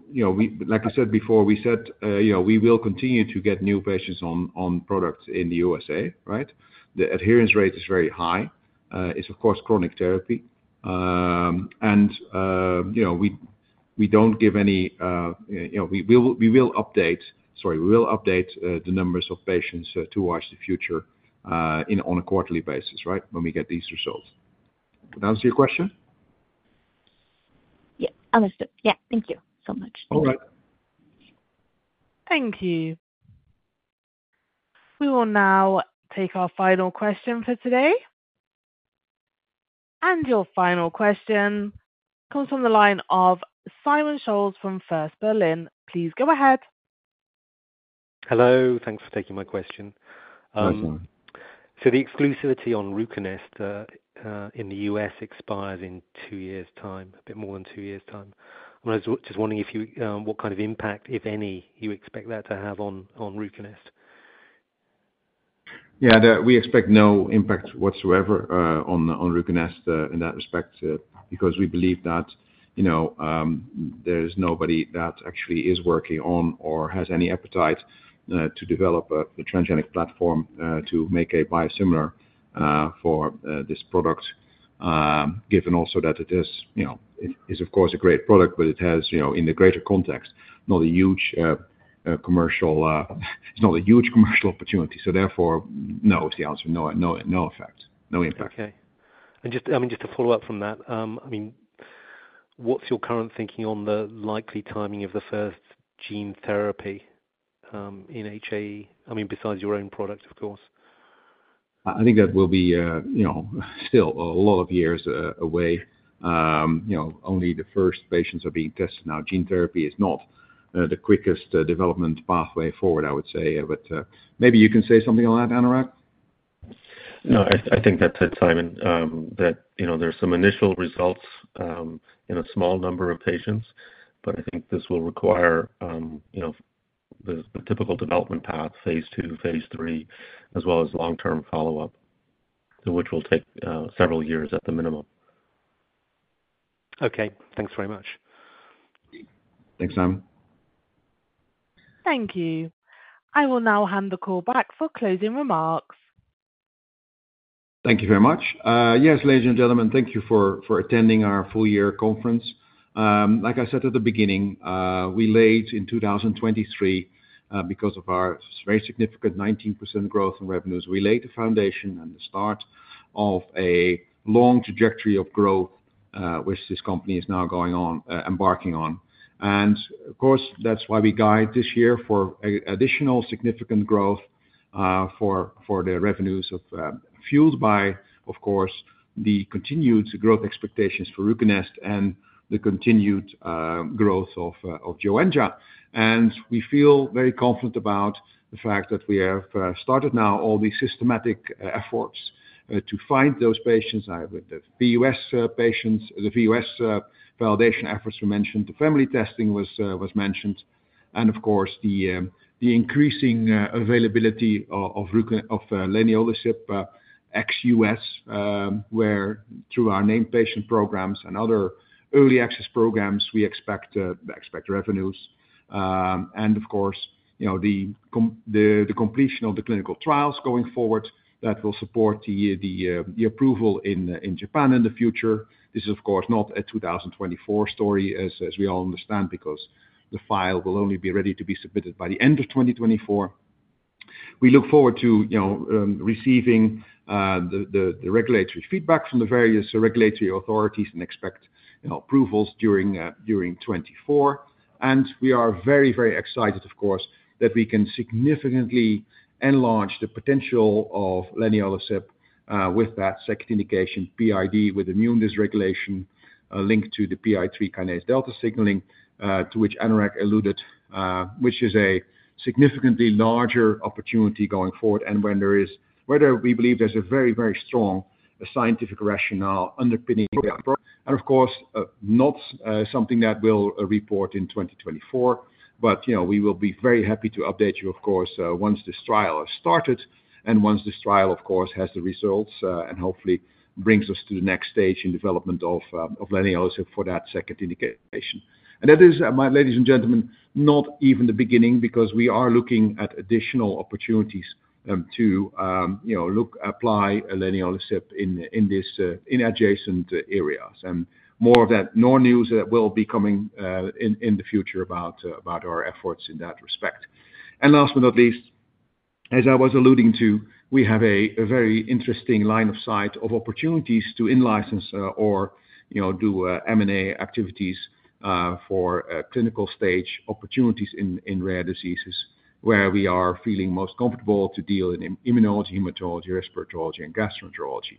Speaker 2: like I said before, we said we will continue to get new patients on products in the USA, right? The adherence rate is very high. It's, of course, chronic therapy. We will update—sorry, we will update the numbers of patients towards the future on a quarterly basis, right, when we get these results. Did I answer your question?
Speaker 9: Yeah. Understood. Yeah. Thank you so much.
Speaker 2: All right.
Speaker 1: Thank you. We will now take our final question for today. Your final question comes from the line of Simon Scholes from First Berlin. Please go ahead.
Speaker 10: Hello. Thanks for taking my question.
Speaker 2: HI, Simon
Speaker 10: So the exclusivity on Ruconest in the U.S. expires in two years' time, a bit more than two years' time. I'm just wondering what kind of impact, if any, you expect that to have on Ruconest.
Speaker 2: Yeah. We expect no impact whatsoever on Ruconest in that respect because we believe that there is nobody that actually is working on or has any appetite to develop the transgenic platform to make a biosimilar for this product, given also that it is, of course, a great product, but it has, in the greater context, not a huge commercial it's not a huge commercial opportunity. So therefore, no, is the answer. No effect. No impact.
Speaker 10: Okay. And I mean, just to follow up from that, I mean, what's your current thinking on the likely timing of the first gene therapy in HAE? I mean, besides your own product, of course.
Speaker 2: I think that will be still a lot of years away. Only the first patients are being tested now. Gene therapy is not the quickest development pathway forward, I would say. But maybe you can say something on that, Anurag?
Speaker 4: No. I think that's it, Simon, that there are some initial results in a small number of patients. But I think this will require the typical development path, phase two, phase three, as well as long-term follow-up, which will take several years at the minimum.
Speaker 10: Okay. Thanks very much.
Speaker 2: Thanks, Simon.
Speaker 1: Thank you. I will now hand the call back for closing remarks.
Speaker 2: Thank you very much. Yes, ladies and gentlemen, thank you for attending our full-year conference. Like I said at the beginning, we laid in 2023, because of our very significant 19% growth in revenues, we laid the foundation and the start of a long trajectory of growth which this company is now embarking on. And of course, that's why we guide this year for additional significant growth for the revenues fueled by, of course, the continued growth expectations for Ruconest and the continued growth of Joenja. We feel very confident about the fact that we have started now all these systematic efforts to find those patients. The VUS patients, the VUS validation efforts were mentioned. The family testing was mentioned. And of course, the increasing availability of leniolisib ex-US, where through our named patient programs and other early access programs, we expect revenues. And of course, the completion of the clinical trials going forward that will support the approval in Japan in the future. This is, of course, not a 2024 story, as we all understand, because the file will only be ready to be submitted by the end of 2024. We look forward to receiving the regulatory feedback from the various regulatory authorities and expect approvals during 2024. And we are very, very excited, of course, that we can significantly enlarge the potential of leniolisib with that second indication, PID, with immune dysregulation linked to the PI3K delta signaling to which Anurag alluded, which is a significantly larger opportunity going forward and where we believe there's a very, very strong scientific rationale underpinning the. And of course, not something that we'll report in 2024. But we will be very happy to update you, of course, once this trial has started and once this trial, of course, has the results and hopefully brings us to the next stage in development of leniolisib for that second indication. And that is, ladies and gentlemen, not even the beginning because we are looking at additional opportunities to apply leniolisib in adjacent areas. And more of that, more news that will be coming in the future about our efforts in that respect. Last but not least, as I was alluding to, we have a very interesting line of sight of opportunities to in-license or do M&A activities for clinical stage opportunities in rare diseases where we are feeling most comfortable to deal in immunology, hematology, respirology, and gastroenterology.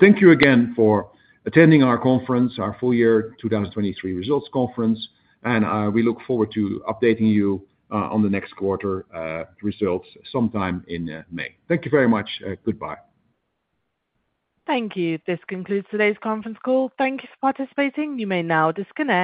Speaker 2: Thank you again for attending our conference, our full-year 2023 results conference. We look forward to updating you on the next quarter results sometime in May. Thank you very much. Goodbye.
Speaker 1: Thank you. This concludes today's conference call. Thank you for participating. You may now disconnect.